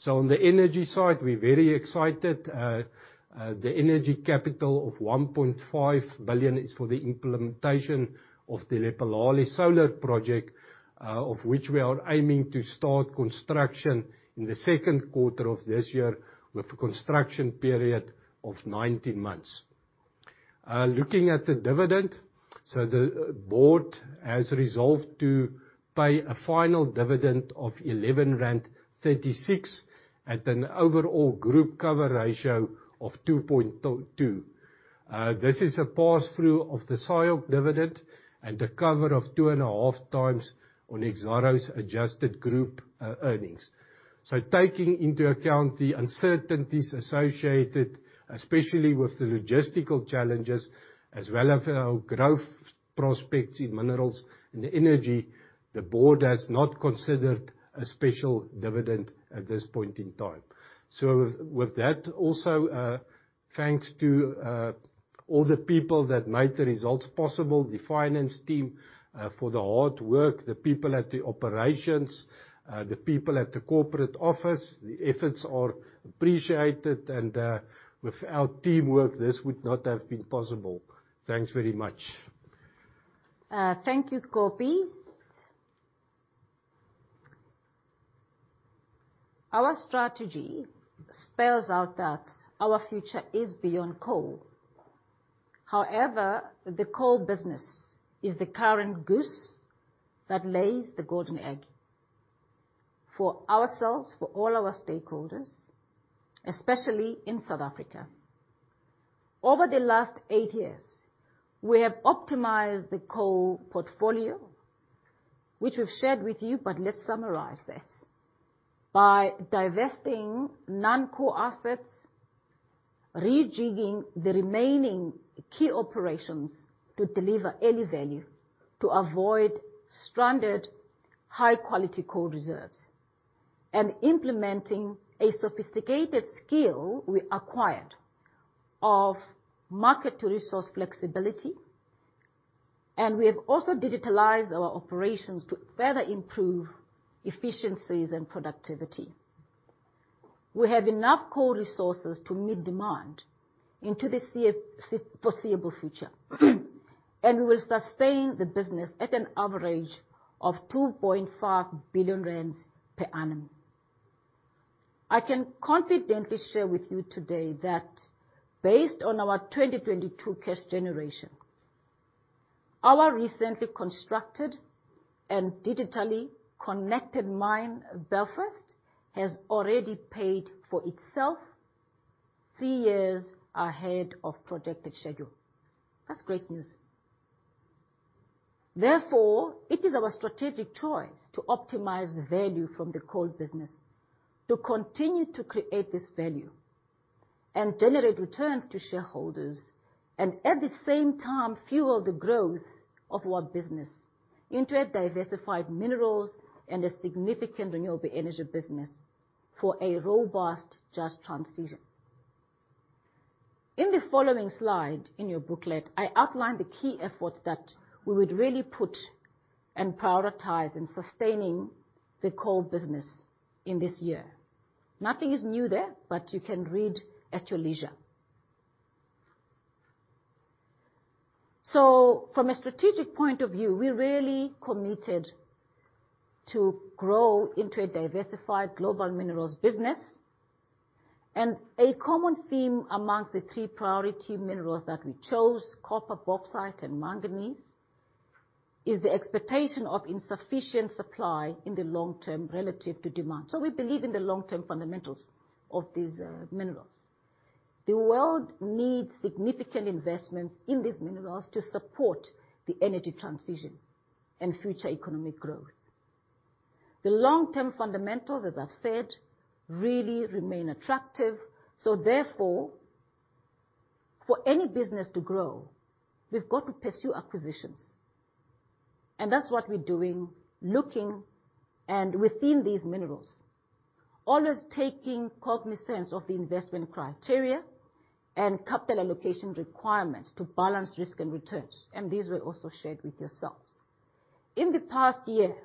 On the energy side, we're very excited. The energy capital of 1.5 billion is for the implementation of the Lephalale Solar Project, of which we are aiming to start construction in the second quarter of this year with a construction period of 19 months. Looking at the dividend. The board has resolved to pay a final dividend of 11.36 rand at an overall group cover ratio of 2.2x. This is a pass-through of the SIOC dividend and a cover of 2.5x on Exxaro's adjusted group earnings. Taking into account the uncertainties associated, especially with the logistical challenges as well as our growth prospects in minerals and energy, the board has not considered a special dividend at this point in time. With that also, thanks to all the people that made the results possible, the finance team for the hard work, the people at the operations, the people at the corporate office, the efforts are appreciated. Without teamwork, this would not have been possible. Thanks very much. Thank you, Koppe. Our strategy spells out that our future is beyond coal. The coal business is the current goose that lays the golden egg for ourselves, for all our stakeholders, especially in South Africa. Over the last eight years, we have optimized the coal portfolio, which we've shared with you, but let's summarize this. By divesting non-core assets, rejigging the remaining key operations to deliver any value to avoid stranded high-quality coal reserves, and implementing a sophisticated skill we acquired of market to resource flexibility. We have also digitalized our operations to further improve efficiencies and productivity. We have enough coal resources to meet demand into the foreseeable future, we will sustain the business at an average of 2.5 billion rand per annum. I can confidently share with you today that based on our 2022 cash generation, our recently constructed and digitally connected mine, Belfast, has already paid for itself three years ahead of projected schedule. That's great news. Therefore, it is our strategic choice to optimize value from the coal business, to continue to create this value, and generate returns to shareholders and at the same time fuel the growth of our business into a diversified minerals and a significant renewable energy business for a robust, just transition. In the following slide in your booklet, I outlined the key efforts that we would really put and prioritize in sustaining the coal business in this year. Nothing is new there. You can read at your leisure. From a strategic point of view, we're really committed to grow into a diversified global minerals business. A common theme amongst the three priority minerals that we chose, copper, bauxite, and manganese, is the expectation of insufficient supply in the long term relative to demand. We believe in the long-term fundamentals of these minerals. The world needs significant investments in these minerals to support the energy transition and future economic growth. The long-term fundamentals, as I've said, really remain attractive. Therefore, for any business to grow, we've got to pursue acquisitions. That's what we're doing, looking and within these minerals, always taking cognizance of the investment criteria and capital allocation requirements to balance risk and returns. These were also shared with yourselves. In the past year,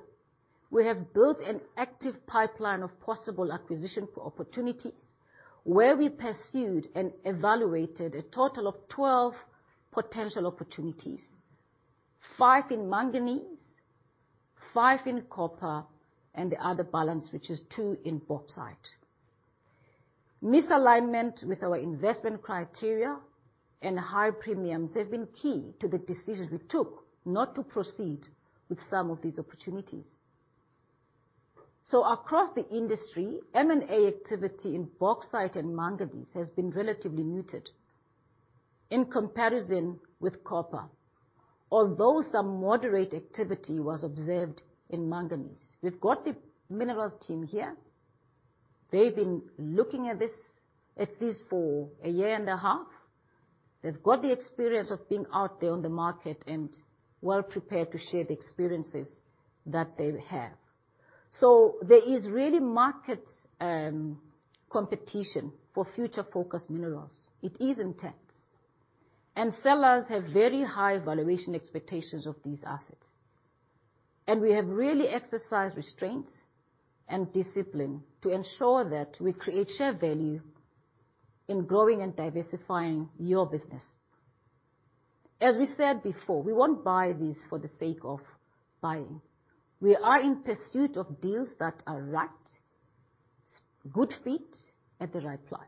we have built an active pipeline of possible acquisition opportunities where we pursued and evaluated a total of 12 potential opportunities. Five in manganese, five in copper, and the other balance, which is two in bauxite. Misalignment with our investment criteria and high premiums have been key to the decisions we took not to proceed with some of these opportunities. Across the industry, M&A activity in bauxite and manganese has been relatively muted in comparison with copper, although some moderate activity was observed in manganese. We've got the minerals team here. They've been looking at this for a year and a half. They've got the experience of being out there on the market and well prepared to share the experiences that they have. There is really market competition for future focused minerals. It is intense, and sellers have very high valuation expectations of these assets. We have really exercised restraints and discipline to ensure that we create share value in growing and diversifying your business. As we said before, we won't buy these for the sake of buying. We are in pursuit of deals that are right, good fit at the right price.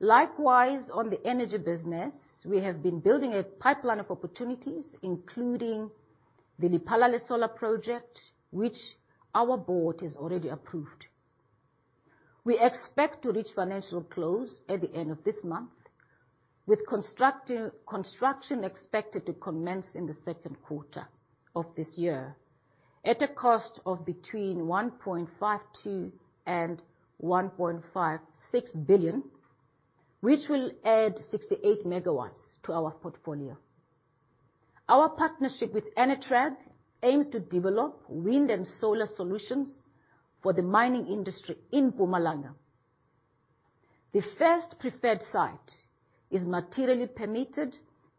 Likewise, on the energy business, we have been building a pipeline of opportunities, including the Lephalale Solar Project, which our board has already approved. We expect to reach financial close at the end of this month, with construction expected to commence in the second quarter of this year at a cost of between 1.52 billion and 1.56 billion, which will add 68 MW to our portfolio. Our partnership with ENERTRAG aims to develop wind and solar solutions for the mining industry in Mpumalanga. The first preferred site is materially permitted.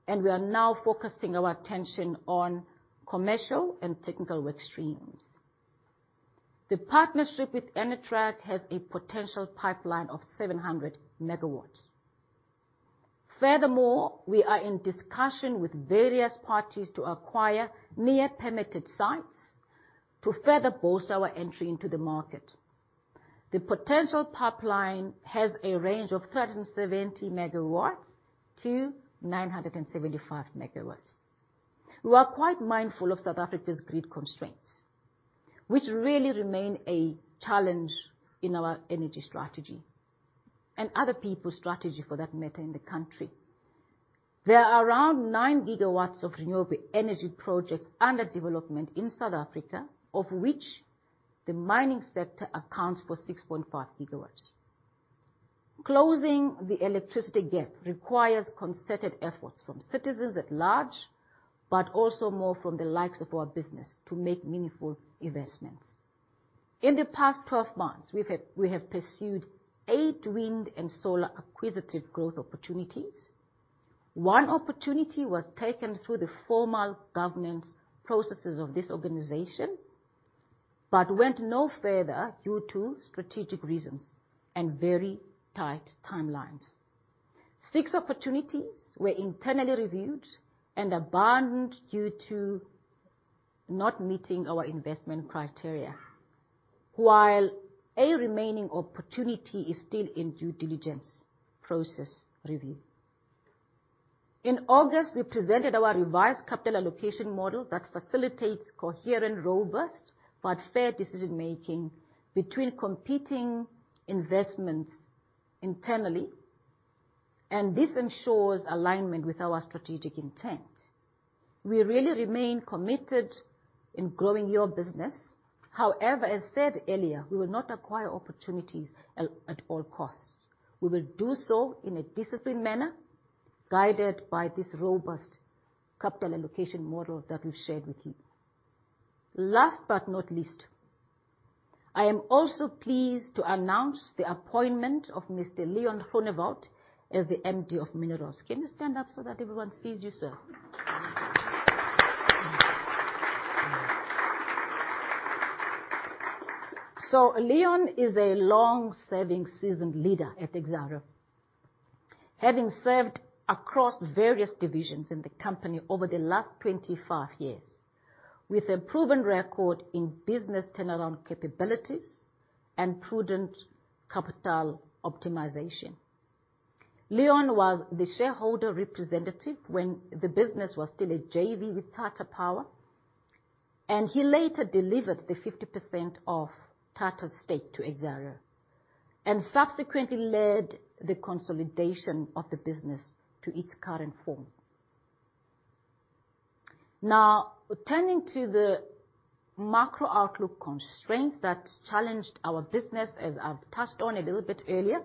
We are now focusing our attention on commercial and technical work streams. The partnership with ENERTRAG has a potential pipeline of 700 MW. Furthermore, we are in discussion with various parties to acquire near permitted sites to further bolster our entry into the market. The potential pipeline has a range of 370 MW-975 MW. We are quite mindful of South Africa's grid constraints, which really remain a challenge in our energy strategy and other people's strategy for that matter in the country. There are around 9 GW of renewable energy projects under development in South Africa, of which the mining sector accounts for 6.5 GW. Closing the electricity gap requires concerted efforts from citizens at large, but also more from the likes of our business to make meaningful investments. In the past 12 months, we have pursued eight wind and solar acquisitive growth opportunities. One opportunity was taken through the formal governance processes of this organization, but went no further due to strategic reasons and very tight timelines. Six opportunities were internally reviewed and abandoned due to not meeting our investment criteria. While a remaining opportunity is still in due diligence process review. In August, we presented our revised capital allocation model that facilitates coherent, robust, but fair decision-making between competing investments internally, and this ensures alignment with our strategic intent. We really remain committed in growing your business. However, as said earlier, we will not acquire opportunities at all costs. We will do so in a disciplined manner, guided by this robust capital allocation model that we shared with you. Last but not least, I am also pleased to announce the appointment of Mr. Leon Groenewald as the MD of Minerals. Can you stand up so that everyone sees you, sir? Leon is a long-serving seasoned leader at Exxaro, having served across various divisions in the company over the last 25 years, with a proven record in business turnaround capabilities and prudent capital optimization. Leon was the shareholder representative when the business was still a JV with Tata Power, and he later delivered the 50% of Tata's stake to Exxaro, and subsequently led the consolidation of the business to its current form. Turning to the macro outlook constraints that challenged our business, as I've touched on a little bit earlier.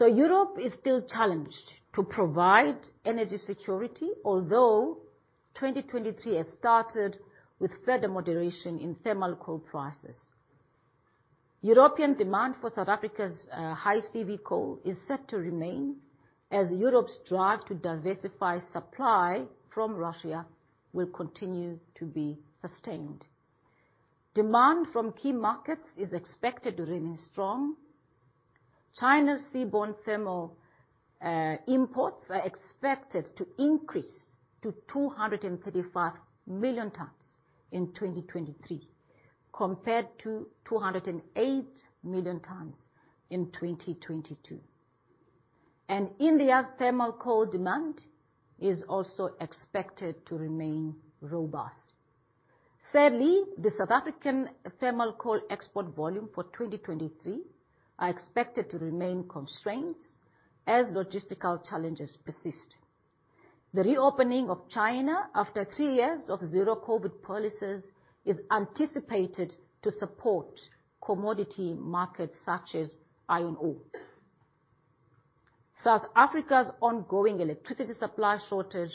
Europe is still challenged to provide energy security, although 2023 has started with further moderation in thermal coal prices. European demand for South Africa's high CV coal is set to remain as Europe's drive to diversify supply from Russia will continue to be sustained. Demand from key markets is expected to remain strong. China's seaborne thermal imports are expected to increase to 235 million tons in 2023, compared to 208 million tons in 2022. India's thermal coal demand is also expected to remain robust. Sadly, the South African thermal coal export volume for 2023 are expected to remain constrained as logistical challenges persist. The reopening of China after three years of zero COVID policies is anticipated to support commodity markets such as iron ore. South Africa's ongoing electricity supply shortage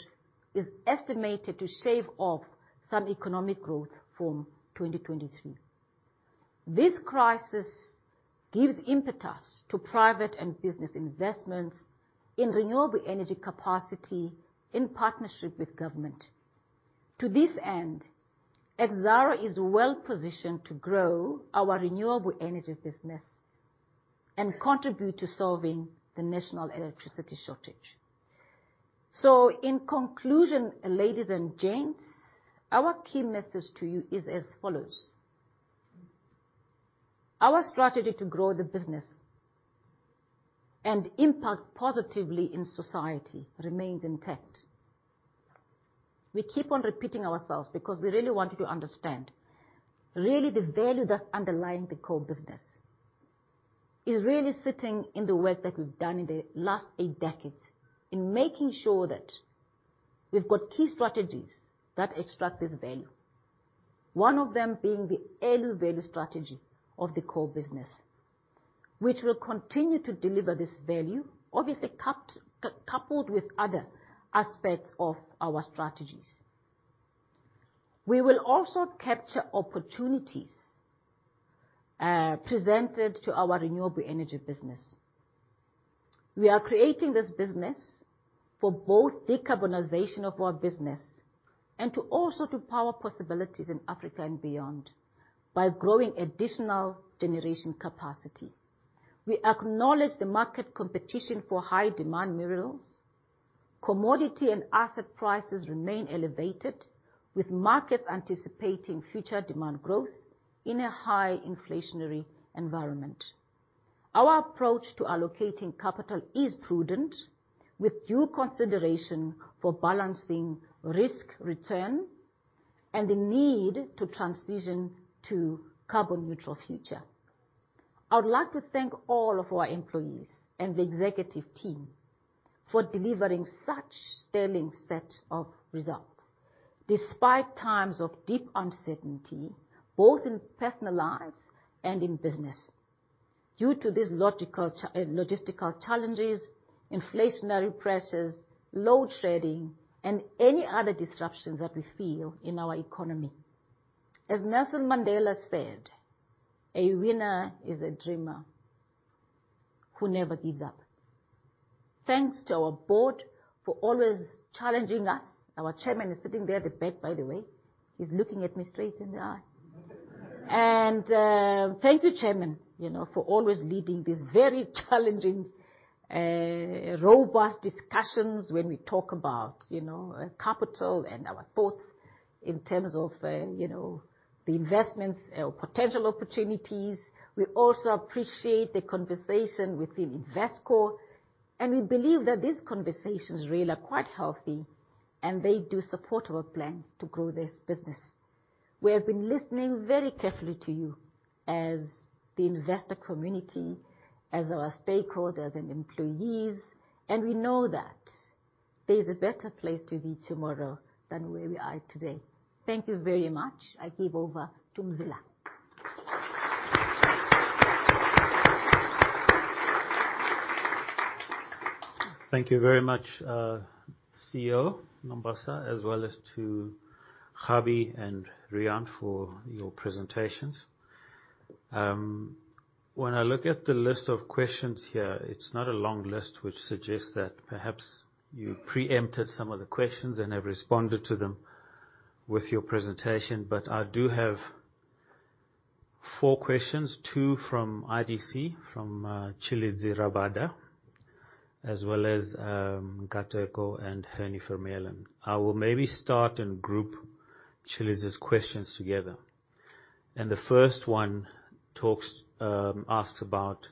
is estimated to shave off some economic growth from 2023. This crisis gives impetus to private and business investments in renewable energy capacity in partnership with government. To this end, Exxaro is well-positioned to grow our renewable energy business and contribute to solving the national electricity shortage. In conclusion, ladies and gents, our key message to you is as follows. Our strategy to grow the business and impact positively in society remains intact. We keep on repeating ourselves because we really want you to understand really the value that's underlying the core business is really sitting in the work that we've done in the last eight decades in making sure that we've got key strategies that extract this value. One of them being the Early Value Strategy of the core business, which will continue to deliver this value, obviously coupled with other aspects of our strategies. We will also capture opportunities presented to our renewable energy business. We are creating this business for both decarbonization of our business and to also power possibilities in Africa and beyond by growing additional generation capacity. We acknowledge the market competition for high-demand minerals. Commodity and asset prices remain elevated, with markets anticipating future demand growth in a high inflationary environment. Our approach to allocating capital is prudent, with due consideration for balancing risk-return and the need to transition to carbon neutral future. I would like to thank all of our employees and the executive team for delivering such sterling set of results despite times of deep uncertainty, both in personal lives and in business. Due to these logistical challenges, inflationary pressures, load shedding, and any other disruptions that we feel in our economy. As Nelson Mandela said, "A winner is a dreamer who never gives up." Thanks to our board for always challenging us. Our chairman is sitting there at the back, by the way. He's looking at me straight in the eye. Thank you, Chairman, you know, for always leading these very challenging, robust discussions when we talk about, you know, capital and our thoughts in terms of, you know, the investments or potential opportunities. We also appreciate the conversation within Investec, and we believe that these conversations really are quite healthy, and they do support our plans to grow this business. We have been listening very carefully to you as the investor community, as our stakeholders and employees, and we know that there's a better place to be tomorrow than where we are today. Thank you very much. I give over to Mzila. Thank you very much, CEO Nombasa, as well as to Kgabi and Riaan for your presentations. When I look at the list of questions here, it's not a long list, which suggests that perhaps you preempted some of the questions and have responded to them with your presentation. I do have four questions, two from IDC, from Tshilidzi Rabada, as well as Nkateko and Henie Vermeulen. I will maybe start and group Tshilidzi's questions together. The first one talks, asks about,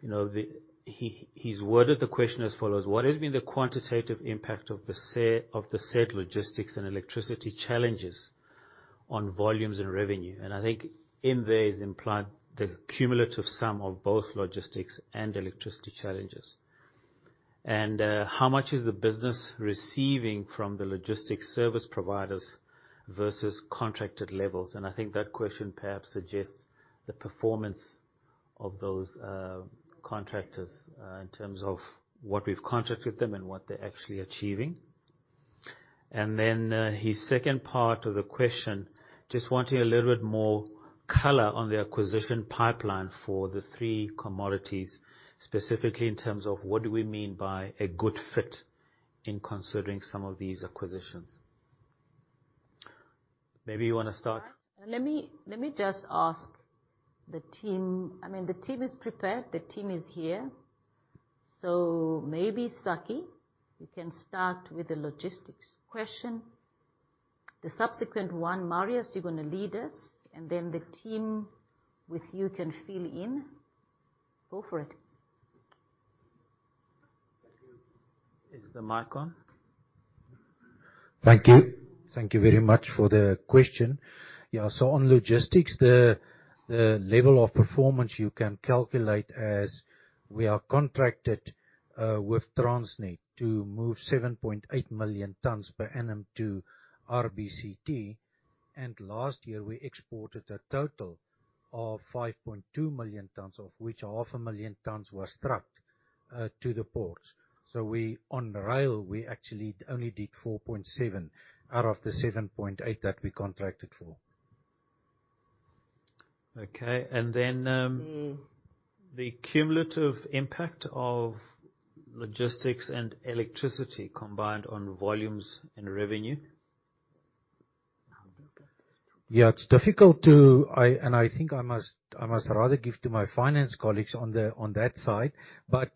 you know, the... He's worded the question as follows: What has been the quantitative impact of the said logistics and electricity challenges on volumes and revenue? I think in there is implied the cumulative sum of both logistics and electricity challenges. How much is the business receiving from the logistics service providers versus contracted levels? I think that question perhaps suggests the performance of those contractors in terms of what we've contracted them and what they're actually achieving. His second part of the question, just wanting a little bit more color on the acquisition pipeline for the three commodities, specifically in terms of what do we mean by a good fit in considering some of these acquisitions. Maybe you wanna start. Let me just ask the team. I mean, the team is prepared. The team is here. Maybe Sakkie, you can start with the logistics question. The subsequent one, Mellis, you're gonna lead us, and then the team with you can fill in. Go for it. Is the mic on? Thank you. Thank you very much for the question. On logistics, the level of performance you can calculate as we are contracted with Transnet to move 7.8 million tons per annum to RBCT. Last year, we exported a total of 5.2 million tons, of which 500,000 tons was trucked to the ports. On rail, we actually only did 4.7 out of the 7.8 that we contracted for. Okay. Mm. The cumulative impact of logistics and electricity combined on volumes and revenue. Yeah. It's difficult to... I think I must rather give to my finance colleagues on that side.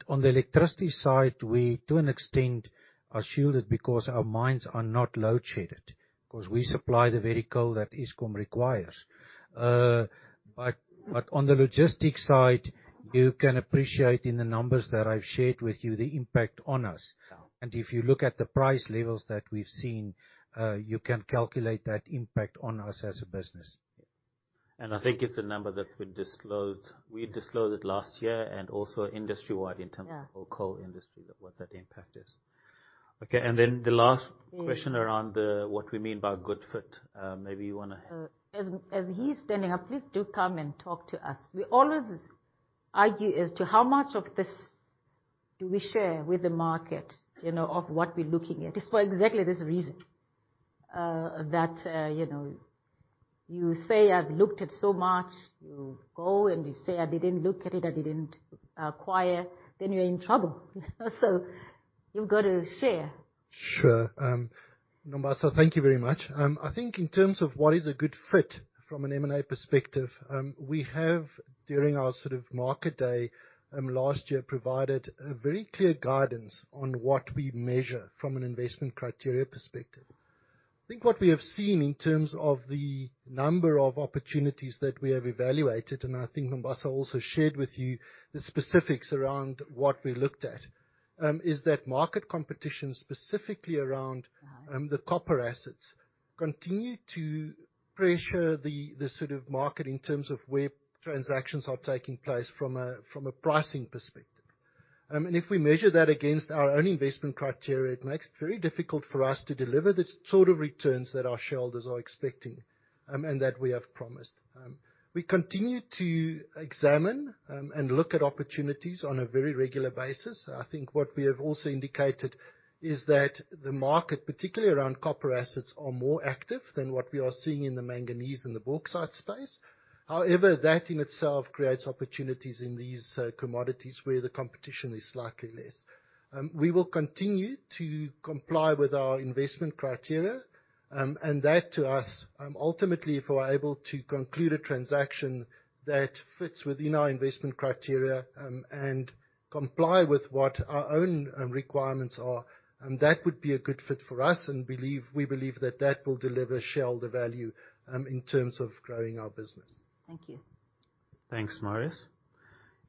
On the electricity side, we, to an extent, are shielded because our mines are not load-shedded, 'cause we supply the very coal that Eskom requires. On the logistics side, you can appreciate in the numbers that I've shared with you the impact on us. Yeah. If you look at the price levels that we've seen, you can calculate that impact on us as a business. I think it's a number that we disclosed. We disclosed it last year and also industry-wide in terms. Yeah Of coal industry, what that impact is. Okay. The last question around the, what we mean by good fit. Maybe you wanna. As he's standing up, please do come and talk to us. We always argue as to how much of this do we share with the market, you know, of what we're looking at. It's for exactly this reason, that, you know, you say, "I've looked at so much." You go and you say, "I didn't look at it, I didn't acquire," then you're in trouble. You've got to share. Sure. Nombasa, thank you very much. I think in terms of what is a good fit from an M&A perspective, we have, during our sort of market day, last year, provided a very clear guidance on what we measure from an investment criteria perspective. I think what we have seen in terms of the number of opportunities that we have evaluated, and I think Nombasa also shared with you the specifics around what we looked at, is that market competition, specifically around the copper assets, continue to pressure the sort of market in terms of where transactions are taking place from a pricing perspective. If we measure that against our own investment criteria, it makes it very difficult for us to deliver the sort of returns that our shareholders are expecting, and that we have promised. We continue to examine, and look at opportunities on a very regular basis. I think what we have also indicated is that the market, particularly around copper assets, are more active than what we are seeing in the manganese and the bauxite space. However, that in itself creates opportunities in these commodities where the competition is slightly less. We will continue to comply with our investment criteria, and that to us, ultimately, if we're able to conclude a transaction that fits within our investment criteria, and comply with what our own requirements are, that would be a good fit for us, we believe that that will deliver shareholder value in terms of growing our business. Thank you. Thanks, Mellis.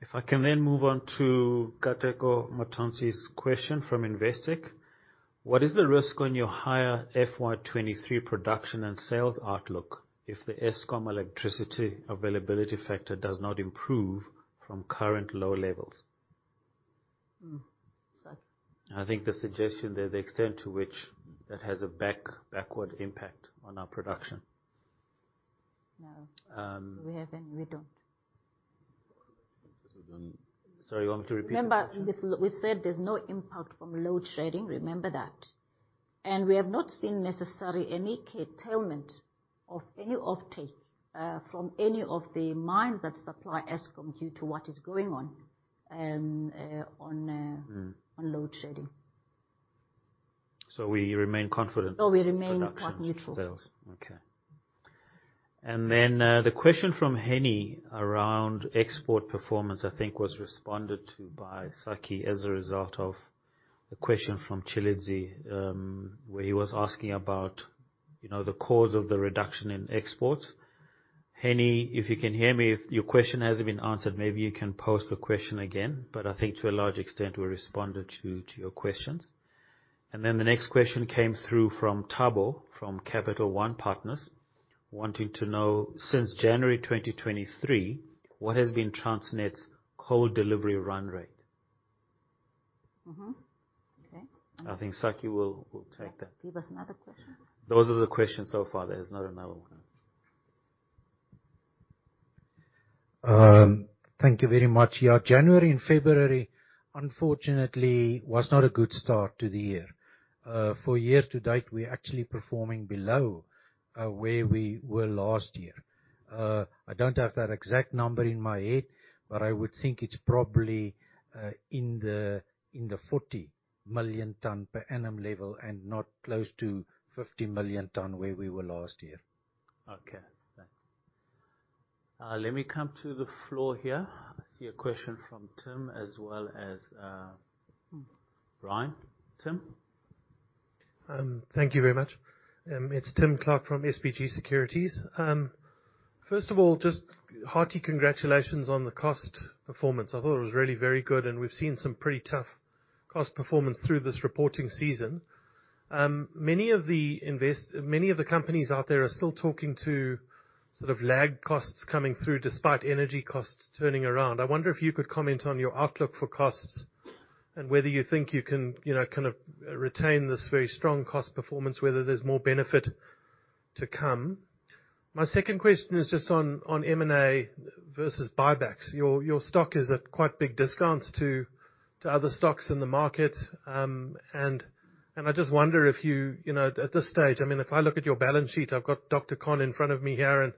If I can then move on to Nkateko Mathonsi's question from Investec. What is the risk on your higher FY 2023 production and sales outlook if the Eskom electricity availability factor does not improve from current low levels? Sakkie. I think the suggestion there, the extent to which that has a backward impact on our production. No. Um- We haven't. We don't. Sorry, you want me to repeat the question? Remember, we said there's no impact from load shedding. Remember that. We have not seen necessarily any curtailment of any offtake from any of the mines that supply Eskom due to what is going on. Mm. On load shedding. We remain confident. No, we remain quite neutral. In production sales. Okay. The question from Henie around export performance, I think was responded to by Sakkie as a result of the question from Tshilidzi, where he was asking about, you know, the cause of the reduction in exports. Henie, if you can hear me, if your question hasn't been answered, maybe you can pose the question again. I think to a large extent, we responded to your questions. The next question came through from Thabo from Capital One Partners, wanting to know, since January 2023, what has been Transnet's coal delivery run rate? Mm-hmm. Okay. I think Sakkie will take that. Give us another question. Those are the questions so far. There's not another one. Thank you very much. Yeah. January and February, unfortunately, was not a good start to the year. For year to date, we're actually performing below where we were last year. I don't have that exact number in my head, but I would think it's probably in the 40 million tons per annum level and not close to 50 million tons where we were last year. Okay. Thanks. let me come to the floor here. I see a question from Tim as well as Brian. Tim. Thank you very much. It's Tim Clark from SBG Securities. First of all, just hearty congratulations on the cost performance. I thought it was really very good, and we've seen some pretty tough cost performance through this reporting season. Many of the companies out there are still talking to sort of lagged costs coming through, despite energy costs turning around. I wonder if you could comment on your outlook for costs and whether you think you can, you know, kind of retain this very strong cost performance, whether there's more benefit to come. My second question is just on M&A versus buybacks. Your stock is at quite big discounts to other stocks in the market. I just wonder if you know, at this stage... I mean, if I look at your balance sheet, I've got Dr. Kahn in front of me here,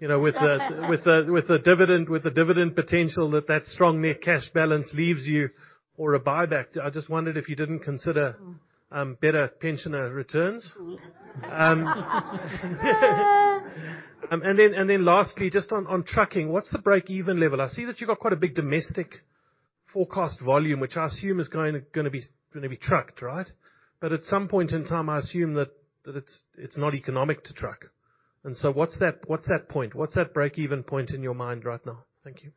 you know, with the dividend, with the dividend potential that strong net cash balance leaves you or a buyback. I just wondered if you didn't consider better pensioner returns. Yeah. Lastly, just on trucking, what's the break-even level? I see that you've got quite a big domestic forecast volume, which I assume is gonna be trucked, right? At some point in time, I assume that it's not economic to truck, what's that point? What's that break-even point in your mind right now? Thank you.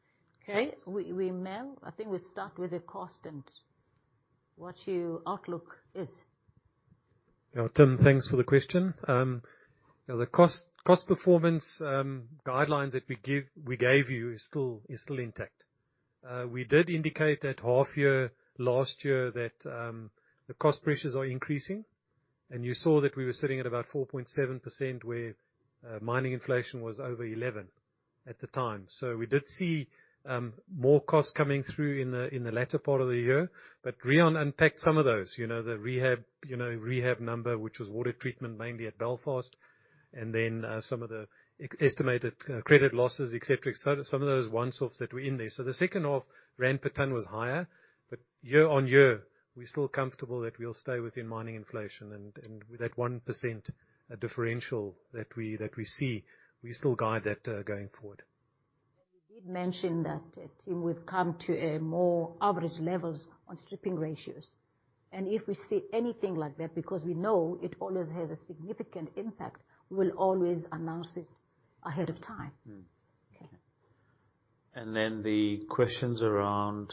Okay. We Mel, I think we start with the cost and what your outlook is. Tim, thanks for the question. The cost performance guidelines that we gave you is still intact. We did indicate at half year last year that the cost pressures are increasing, and you saw that we were sitting at about 4.7%, where mining inflation was over 11 at the time. We did see more costs coming through in the latter part of the year. Riaan unpacked some of those. You know, the rehab number, which was water treatment, mainly at Belfast, and then some of the estimated credit losses, et cetera. Some of those once-offs that were in there. The second half Rand per ton was higher, but year-over-year, we're still comfortable that we'll stay within mining inflation. With that 1% differential that we see, we still guide that going forward. We did mention that, Tim, we've come to a more average levels on stripping ratios. If we see anything like that, because we know it always has a significant impact, we'll always announce it ahead of time. Mm-hmm. Okay. The questions around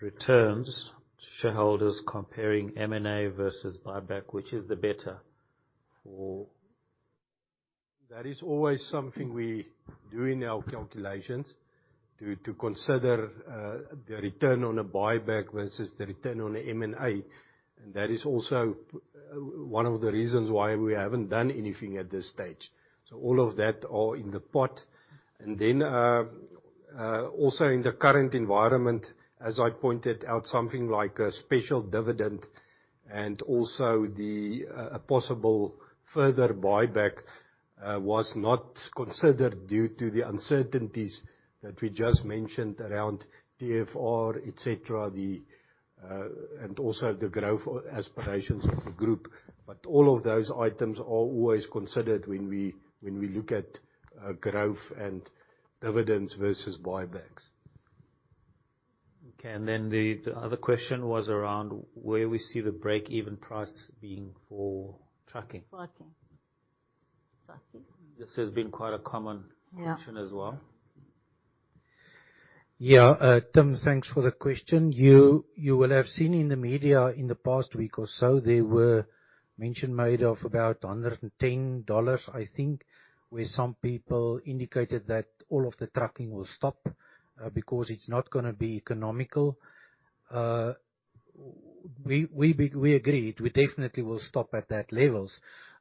returns to shareholders comparing M&A versus buyback, which is the better. That is always something we do in our calculations to consider the return on a buyback versus the return on a M&A, that is also one of the reasons why we haven't done anything at this stage. All of that are in the pot. Also in the current environment, as I pointed out, something like a special dividend and also a possible further buyback was not considered due to the uncertainties that we just mentioned around TFR, et cetera. Also the growth aspirations of the group. All of those items are always considered when we look at growth and dividends versus buybacks. Okay. The other question was around where we see the break-even price being for trucking. Trucking. Sakkie. This has been quite a common- Yeah. Question as well. Yeah. Tim, thanks for the question. You will have seen in the media in the past week or so, there were mention made of about $110, I think, where some people indicated that all of the trucking will stop because it's not gonna be economical. We agreed. We definitely will stop at that levels,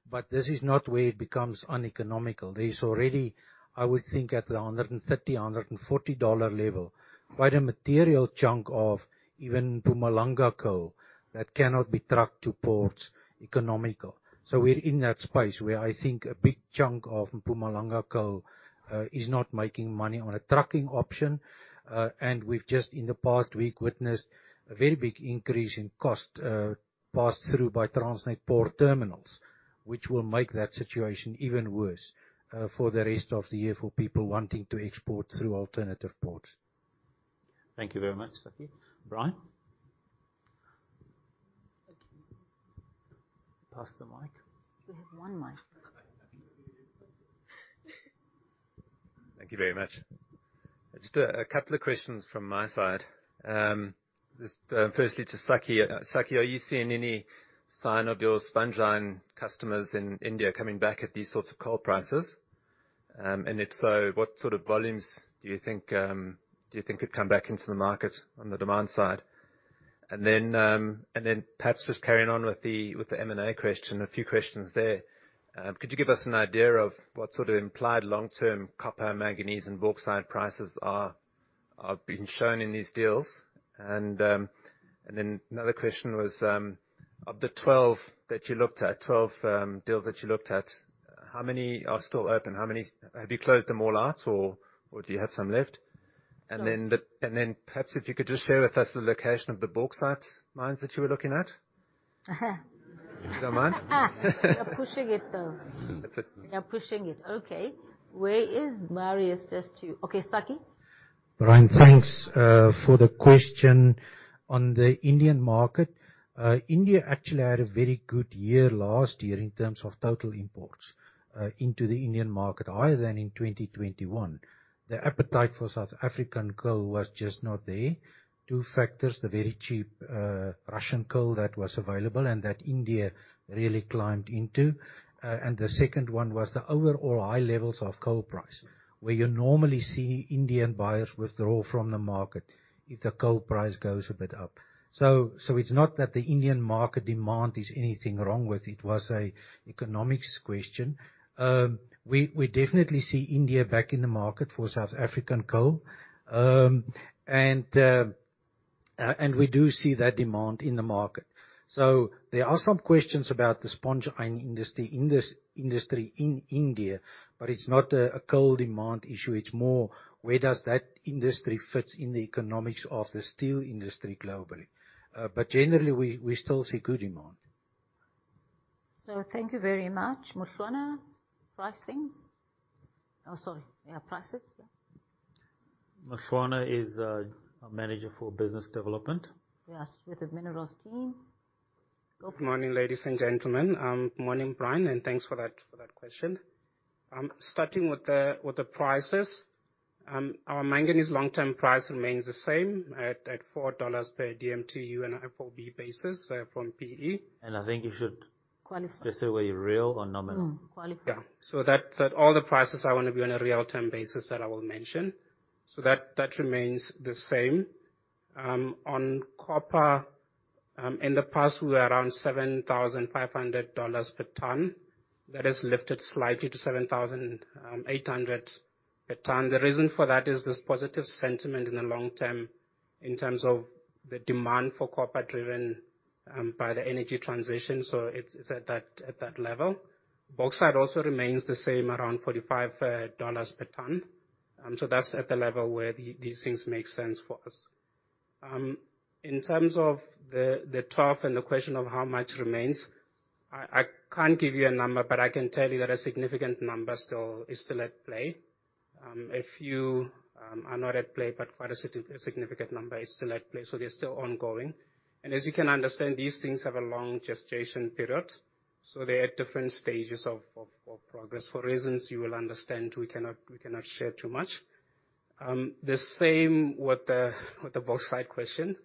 but this is not where it becomes uneconomical. There is already, I would think, at the $150, $140 level, quite a material chunk of even Mpumalanga coal that cannot be trucked to ports economical. We're in that space where I think a big chunk of Mpumalanga coal is not making money on a trucking option. We've just, in the past week, witnessed a very big increase in cost, passed through by Transnet Port Terminals, which will make that situation even worse for the rest of the year for people wanting to export through alternative ports. Thank you very much, Sakkie. Brian. Thank you. Pass the mic. We have one mic. Thank you very much. Just a couple of questions from my side. Just firstly to Sakkie. Sakkie, are you seeing any sign of your sponge iron customers in India coming back at these sorts of coal prices? If so, what sort of volumes do you think could come back into the market on the demand side? Perhaps just carrying on with the M&A question, a few questions there. Could you give us an idea of what sort of implied long-term copper, manganese and bauxite prices are being shown in these deals. Another question was, of the 12 that you looked at, 12 deals that you looked at, how many are still open? Have you closed them all out or do you have some left? Perhaps if you could just share with us the location of the bauxite mines that you were looking at. You don't mind? You're pushing it, though. That's it. You're pushing it. Okay. Where is Mellis? Just to... Okay, Sakkie. Brian, thanks for the question on the Indian market. India actually had a very good year last year in terms of total imports into the Indian market, higher than in 2021. The appetite for South African coal was just not there. Two factors, the very cheap Russian coal that was available and that India really climbed into. The second one was the overall high levels of coal price, where you normally see Indian buyers withdraw from the market if the coal price goes a bit up. It's not that the Indian market demand is anything wrong with, it was a economics question. We definitely see India back in the market for South African coal. We do see that demand in the market. There are some questions about the sponge iron industry in India, but it's not a coal demand issue, it's more where does that industry fits in the economics of the steel industry globally. Generally we still see good demand. Thank you very much. Kgabi Masia, pricing. Oh, sorry. Yeah, prices. Yeah. Mokshwano is our manager for business development. Yes, with the minerals team. Good morning, ladies and gentlemen. Good morning, Brian, and thanks for that question. Starting with the prices, our manganese long-term price remains the same at $4 per DMTU on a FOB basis, from PE. I think you. Qualify. Just say whether you're real or nominal. Mm-hmm. Qualify. Yeah. That's at all the prices I wanna be on a real time basis that I will mention. That remains the same. On copper, in the past, we were around $7,500 per ton. That has lifted slightly to $7,800 per ton. The reason for that is this positive sentiment in the long term in terms of the demand for copper driven by the energy transition, it's at that level. Bauxite also remains the same around $45 per ton. That's at the level where these things make sense for us. In terms of the trough and the question of how much remains, I can't give you a number, I can tell you that a significant number is still at play. A few are not at play, but quite a significant number is still at play, so they're still ongoing. As you can understand, these things have a long gestation period, so they're at different stages of progress. For reasons you will understand, we cannot share too much. The same with the bauxite question.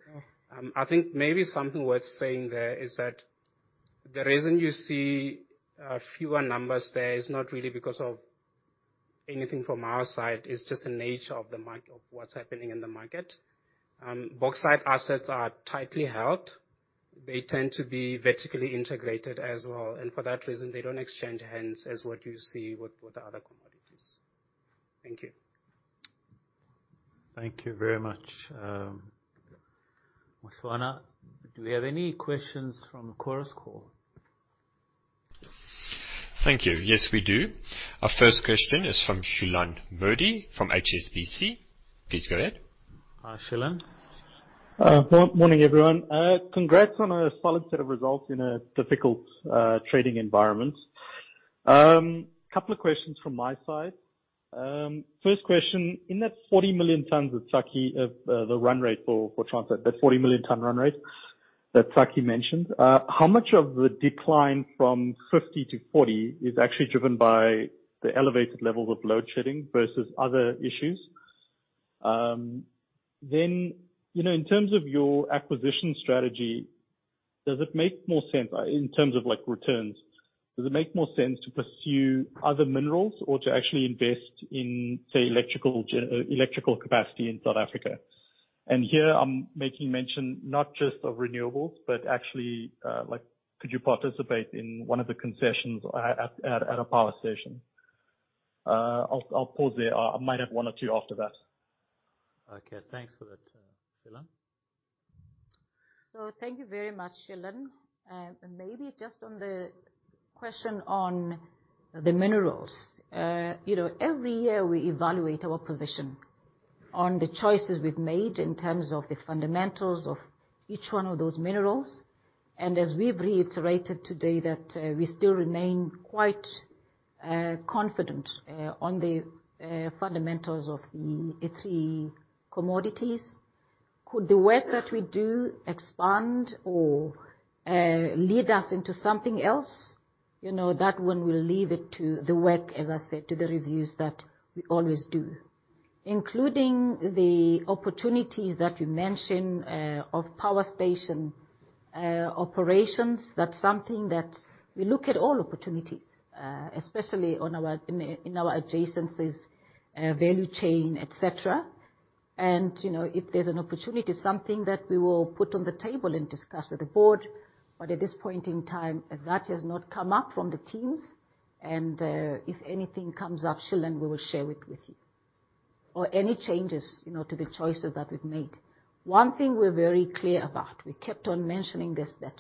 I think maybe something worth saying there is that the reason you see fewer numbers there is not really because of anything from our side, it's just the nature of the market of what's happening in the market. Bauxite assets are tightly held. They tend to be vertically integrated as well, and for that reason, they don't exchange hands as what you see with the other commodities. Thank you. Thank you very much, Mokshwano. Do we have any questions from Chorus Call? Thank you. Yes, we do. Our first question is from Shilan Modi from HSBC. Please go ahead. Hi, Shilan. Good morning, everyone. Congrats on a solid set of results in a difficult trading environment. Couple of questions from my side. First question, in that 40 million tons that Sakkie, the run rate for Transnet, that 40 million ton run rate that Sakkie mentioned, how much of the decline from 50 to 40 is actually driven by the elevated levels of load shedding versus other issues? Then, you know, in terms of your acquisition strategy, does it make more sense, in terms of, like, returns, does it make more sense to pursue other minerals or to actually invest in, say, electrical capacity in South Africa? Here I'm making mention not just of renewables, but actually, like, could you participate in one of the concessions at a power station? I'll pause there. I might have one or two after that. Okay. Thanks for that, Shilan. Thank you very much, Shilan. Maybe just on the question on the minerals. You know, every year we evaluate our position on the choices we've made in terms of the fundamentals of each one of those minerals. As we've reiterated today that, we still remain quite confident on the fundamentals of the three commodities. Could the work that we do expand or lead us into something else? You know, that one, we'll leave it to the work, as I said, to the reviews that we always do, including the opportunities that you mentioned, of power station operations. That's something that we look at all opportunities, especially in our adjacencies, value chain, et cetera. You know, if there's an opportunity, something that we will put on the table and discuss with the board, but at this point in time, that has not come up from the teams. If anything comes up, Shilan, we will share it with you, or any changes, you know, to the choices that we've made. One thing we're very clear about, we kept on mentioning this, that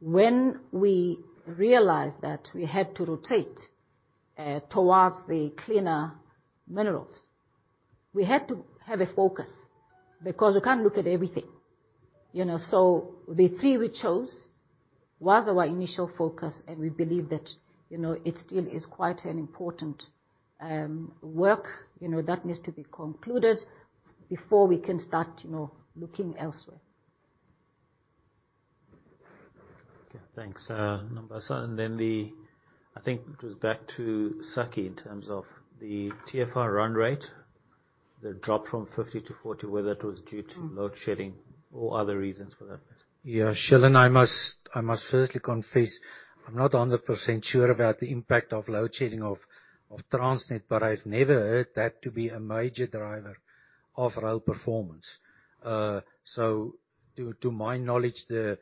when we realized that we had to rotate towards the cleaner minerals, we had to have a focus, because we can't look at everything, you know. The three we chose was our initial focus, and we believe that, you know, it still is quite an important work, you know, that needs to be concluded before we can start, you know, looking elsewhere. Okay. Thanks, Nombasa. I think it was back to Sakkie in terms of the TFR run rate that dropped from 50 to 40, whether it was due to load shedding or other reasons for that. Yeah. Shilan, I must firstly confess, I'm not 100% sure about the impact of load shedding of Transnet, but I've never heard that to be a major driver of rail performance. To my knowledge, the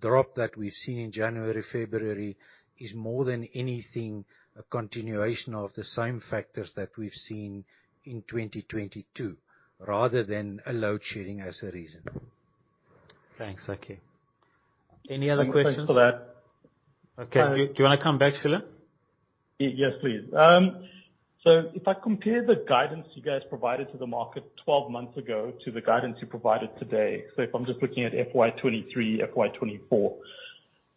drop that we've seen in January, February is more than anything a continuation of the same factors that we've seen in 2022, rather than a load shedding as a reason. Thanks, Sakkie. Any other questions? Thanks for that. Okay. Do you wanna come back, Shilan? Yes, please. If I compare the guidance you guys provided to the market 12 months ago to the guidance you provided today, if I'm just looking at FY 2023, FY 2024,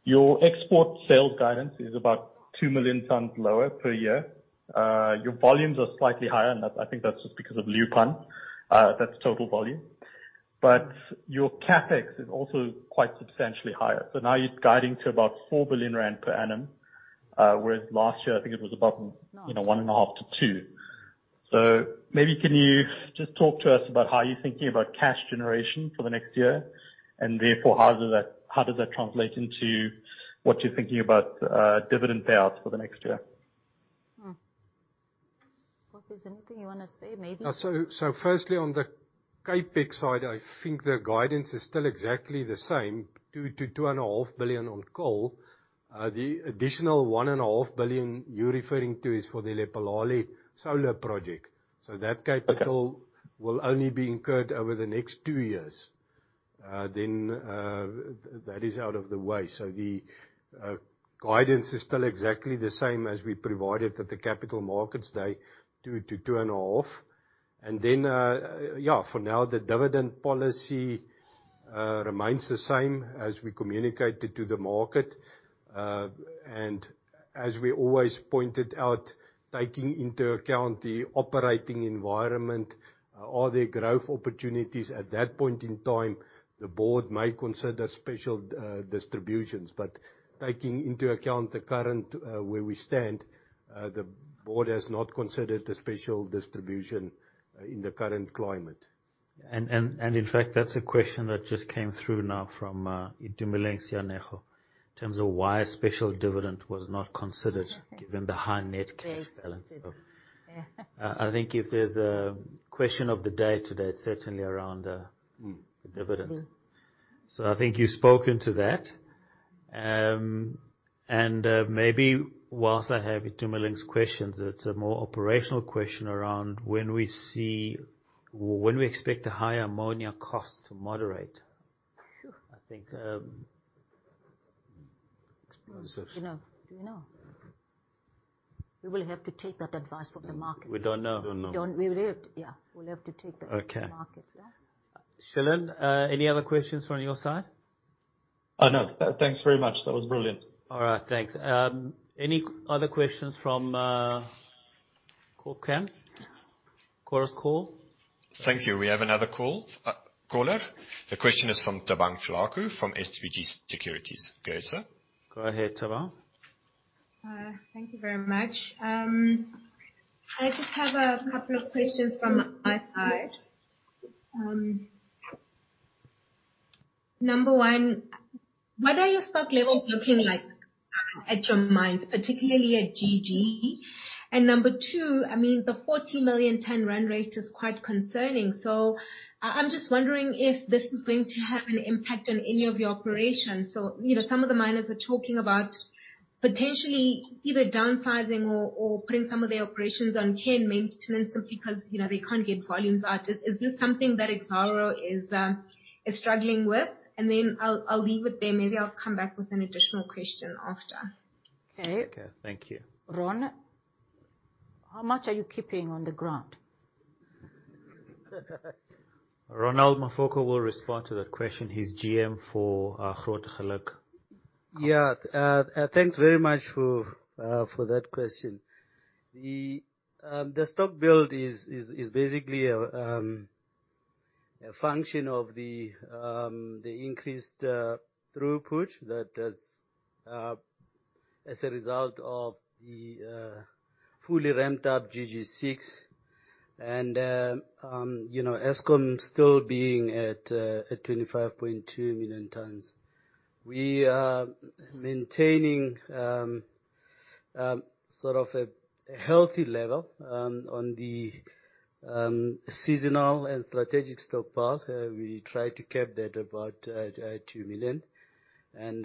your export sales guidance is about two million tons lower per year. Your volumes are slightly higher, and that's I think that's just because of Liupan. That's total volume. Your CapEx is also quite substantially higher. Now you're guiding to about 4 billion rand per annum, whereas last year I think it was about, you know, 1.5 Billion-2 Billion. Maybe can you just talk to us about how you're thinking about cash generation for the next year, and therefore how does that translate into what you're thinking about, dividend payouts for the next year? Koppes, anything you wanna say? Firstly on the CapEx side, I think the guidance is still exactly the same, 2 billion-2.5 billion on coal. The additional 1.5 billion you're referring to is for the Lephalale Solar Project. That capital will only be incurred over the next two years. That is out of the way. The guidance is still exactly the same as we provided at the capital markets day, 2 billion-2.5 billion. For now, the dividend policy remains the same as we communicated to the market. As we always pointed out, taking into account the operating environment, are there growth opportunities? At that point in time, the board may consider special distributions. Taking into account the current, where we stand, the board has not considered a special distribution, in the current climate. In fact, that's a question that just came through now from Itumeleng Sianeho, in terms of why a special dividend was not considered given the high net cash balance. Yeah. I think if there's a question of the day today, it's certainly around. Mm. The dividend. Mm. I think you've spoken to that. Maybe whilst I have Itumeleng's questions, it's a more operational question around when we expect the higher ammonia cost to moderate. Phew. I think. Explosives. Do you know? We will have to take that advice from the market. We don't know. Don't know. We will yeah. We'll have to take that. Okay. from the market. Yeah. Shilan, any other questions from your side? No. Thanks very much. That was brilliant. All right. Thanks. Any other questions from Ken? Chorus Call? Thank you. We have another call. Caller. The question is from Thabang Thlaku from SBG Securities. Go, sir. Go ahead, Thabang. Thank you very much. I just have a couple of questions from my side. Number one, what are your stock levels looking like at your mines, particularly at GG? Number two, I mean, the 40 million ton run rate is quite concerning, I'm just wondering if this is going to have an impact on any of your operations. You know, some of the miners are talking about potentially either downsizing or putting some of their operations on care and maintenance simply because, you know, they can't get volumes out. Is this something that Exxaro is struggling with? I'll leave it there. Maybe I'll come back with an additional question after. Okay. Okay. Thank you. Ron, how much are you keeping on the ground? Ronaldt Mafoko will respond to that question. He's GM for Grootegeluk. Yeah. Thanks very much for that question. The stock build is basically a function of the increased throughput that is as a result of the fully ramped up GG6 and, you know, Eskom still being at 25.2 million tons. We are maintaining- Sort of a healthy level on the seasonal and strategic stockpile. We try to cap that about two million and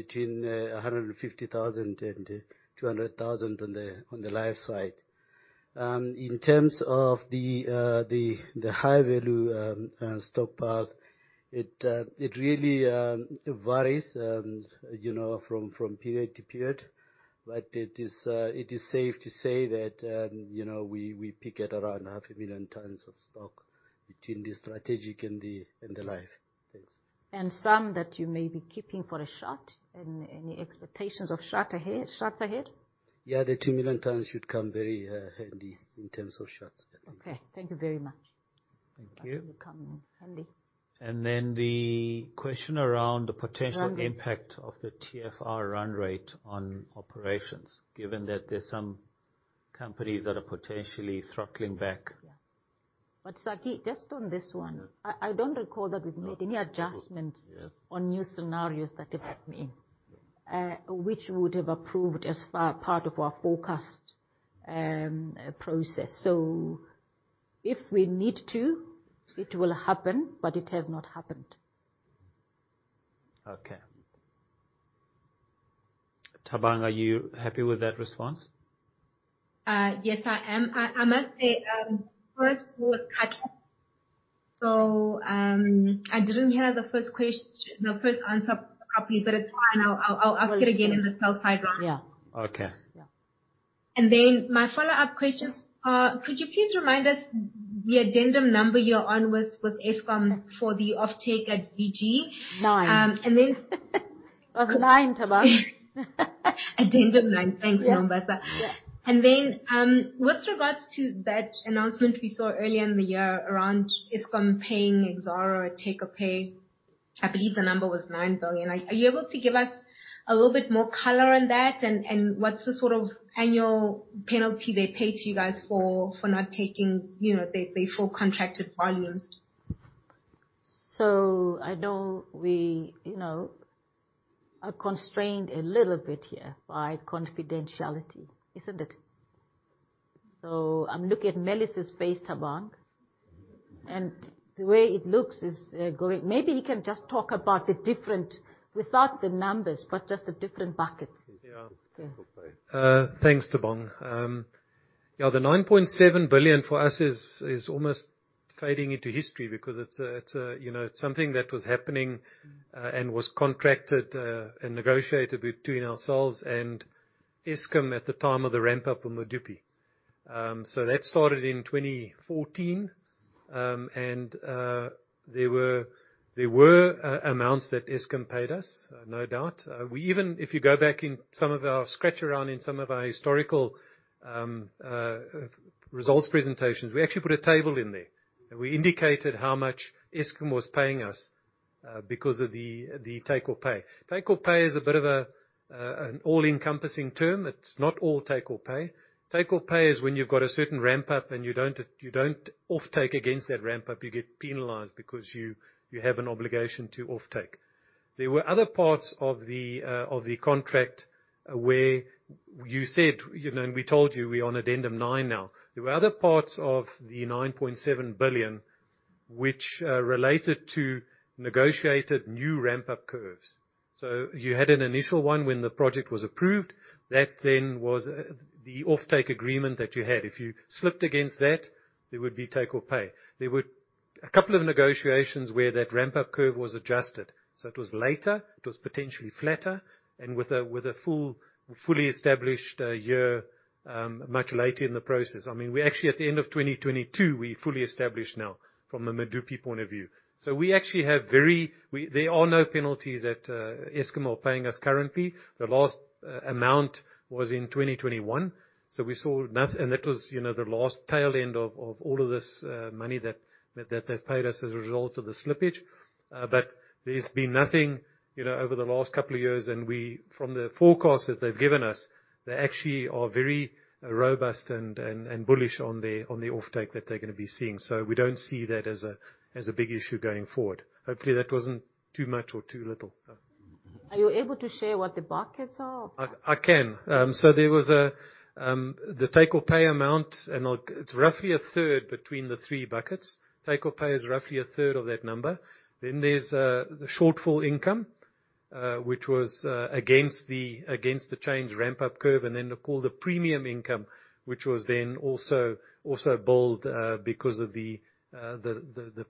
between 150,000 and 200,000 on the live side. In terms of the high value stockpile, it really varies, you know, from period to period. It is safe to say that, you know, we peak at around half a million tons of stock between the strategic and the live. Thanks. Some that you may be keeping for a shot. Any expectations of shots ahead? Yeah. The two million tons should come very handy in terms of shots I think. Okay. Thank you very much. Thank you. That will come in handy. The question around the potential-. Run rate... Impact of the TFR run rate on operations, given that there's some companies that are potentially throttling back. Yeah. Sakkie, just on this one. Mm-hmm. I don't recall that we've made any adjustments. No. Yes. On new scenarios that you've asked me. Yeah. Which would have approved as far part of our forecast, process. If we need to, it will happen, but it has not happened. Thabang, are you happy with that response? Yes, I am. I must say, first was cut off. I didn't hear the first answer properly. It's fine. I'll ask it again in the sell side round. Yeah. Okay. Yeah. My follow-up questions are, could you please remind us the addendum number you're on with Eskom for the offtake at BG? Nine. Um, and then- It was nine, Thabang. Addendum 9. Thanks, Nombasa. Yeah. Yeah. With regards to that announcement we saw earlier in the year around Eskom paying Exxaro a take or pay, I believe the number was 9 billion. Are you able to give us a little bit more color on that, and what's the sort of annual penalty they pay to you guys for not taking, you know, their full contracted volumes? I know we, you know, are constrained a little bit here by confidentiality, isn't it? I'm looking at Meliss' face, Thabang, and the way it looks is. Maybe he can just talk about the different, without the numbers, but just the different buckets. Yeah. Yeah. Thanks, Thabang. Yeah, the 9.7 billion for us is almost fading into history because it's a, you know, it's something that was happening and was contracted and negotiated between ourselves and Eskom at the time of the ramp up on Medupi. That started in 2014. There were amounts that Eskom paid us, no doubt. We even, if you go back in some of our scratch around in some of our historical results presentations, we actually put a table in there, and we indicated how much Eskom was paying us because of the take or pay. Take or pay is a bit of an all-encompassing term. It's not all take or pay. Take or pay is when you've got a certain ramp up and you don't offtake against that ramp up, you get penalized because you have an obligation to offtake. There were other parts of the contract where you said, you know, we told you we're on Addendum 9 now. There were other parts of the 9.7 billion which related to negotiated new ramp up curves. You had an initial one when the project was approved. That was the offtake agreement that you had. If you slipped against that, there would be take or pay. There were a couple of negotiations where that ramp up curve was adjusted, so it was later, it was potentially flatter and with a fully established year much later in the process. I mean, we're actually at the end of 2022, we're fully established now from a Medupi point of view. There are no penalties that Eskom are paying us currently. The last amount was in 2021, we saw and that was, you know, the last tail end of all of this money that they've paid us as a result of the slippage. There's been nothing, you know, over the last couple of years. We, from the forecast that they've given us, they actually are very robust and bullish on the offtake that they're gonna be seeing. We don't see that as a big issue going forward. Hopefully, that wasn't too much or too little. Are you able to share what the buckets are? I can. There was a the take or pay amount, it's roughly a third between the three buckets. Take or pay is roughly a third of that number. There's the shortfall income, which was against the change ramp up curve, and then the call, the premium income, which was then also bold because of the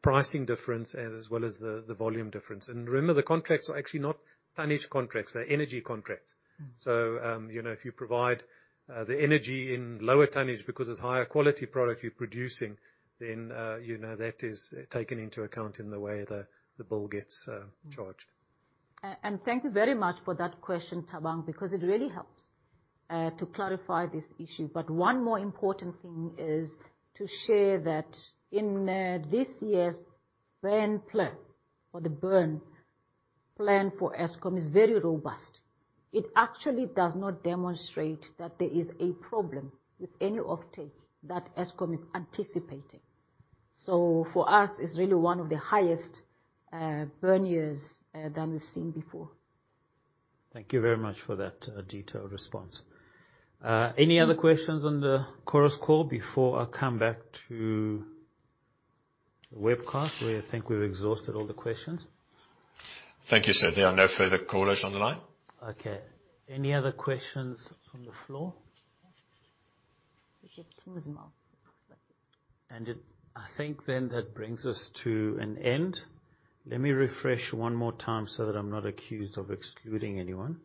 pricing difference as well as the volume difference. Remember, the contracts are actually not tonnage contracts. They're energy contracts. Mm-hmm. You know, if you provide the energy in lower tonnage because it's higher quality product you're producing, then, you know, that is taken into account in the way the bill gets charged. And thank you very much for that question, Thabang, because it really helps to clarify this issue. One more important thing is to share that in this year's burn plan or the burn plan for Eskom is very robust. It actually does not demonstrate that there is a problem with any offtake that Eskom is anticipating. For us, it's really one of the highest burn years than we've seen before. Thank you very much for that, detailed response. Any other questions on the Chorus Call before I come back to the webcast, where I think we've exhausted all the questions? Thank you, sir. There are no further callers on the line. Okay. Any other questions from the floor? We should close now. I think then that brings us to an end. Let me refresh one more time so that I'm not accused of excluding anyone.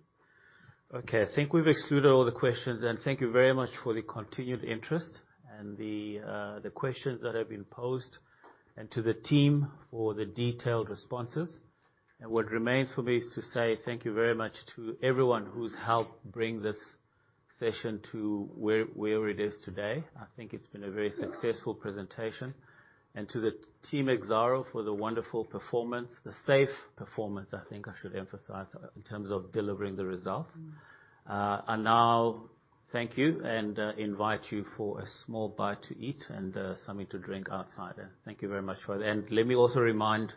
Okay. I think we've excluded all the questions, and thank you very much for the continued interest and the questions that have been posed, and to the team for the detailed responses. What remains for me is to say thank you very much to everyone who's helped bring this Sasol to where it is today. I think it's been a very successful presentation. To the team Exxaro for the wonderful performance, the safe performance, I think I should emphasize in terms of delivering the results. I now thank you and invite you for a small bite to eat and something to drink outside. Thank you very much for that. Let me also remind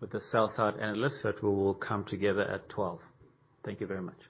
with the sell side analysts that we will come together at 12:00 P.M. Thank you very much.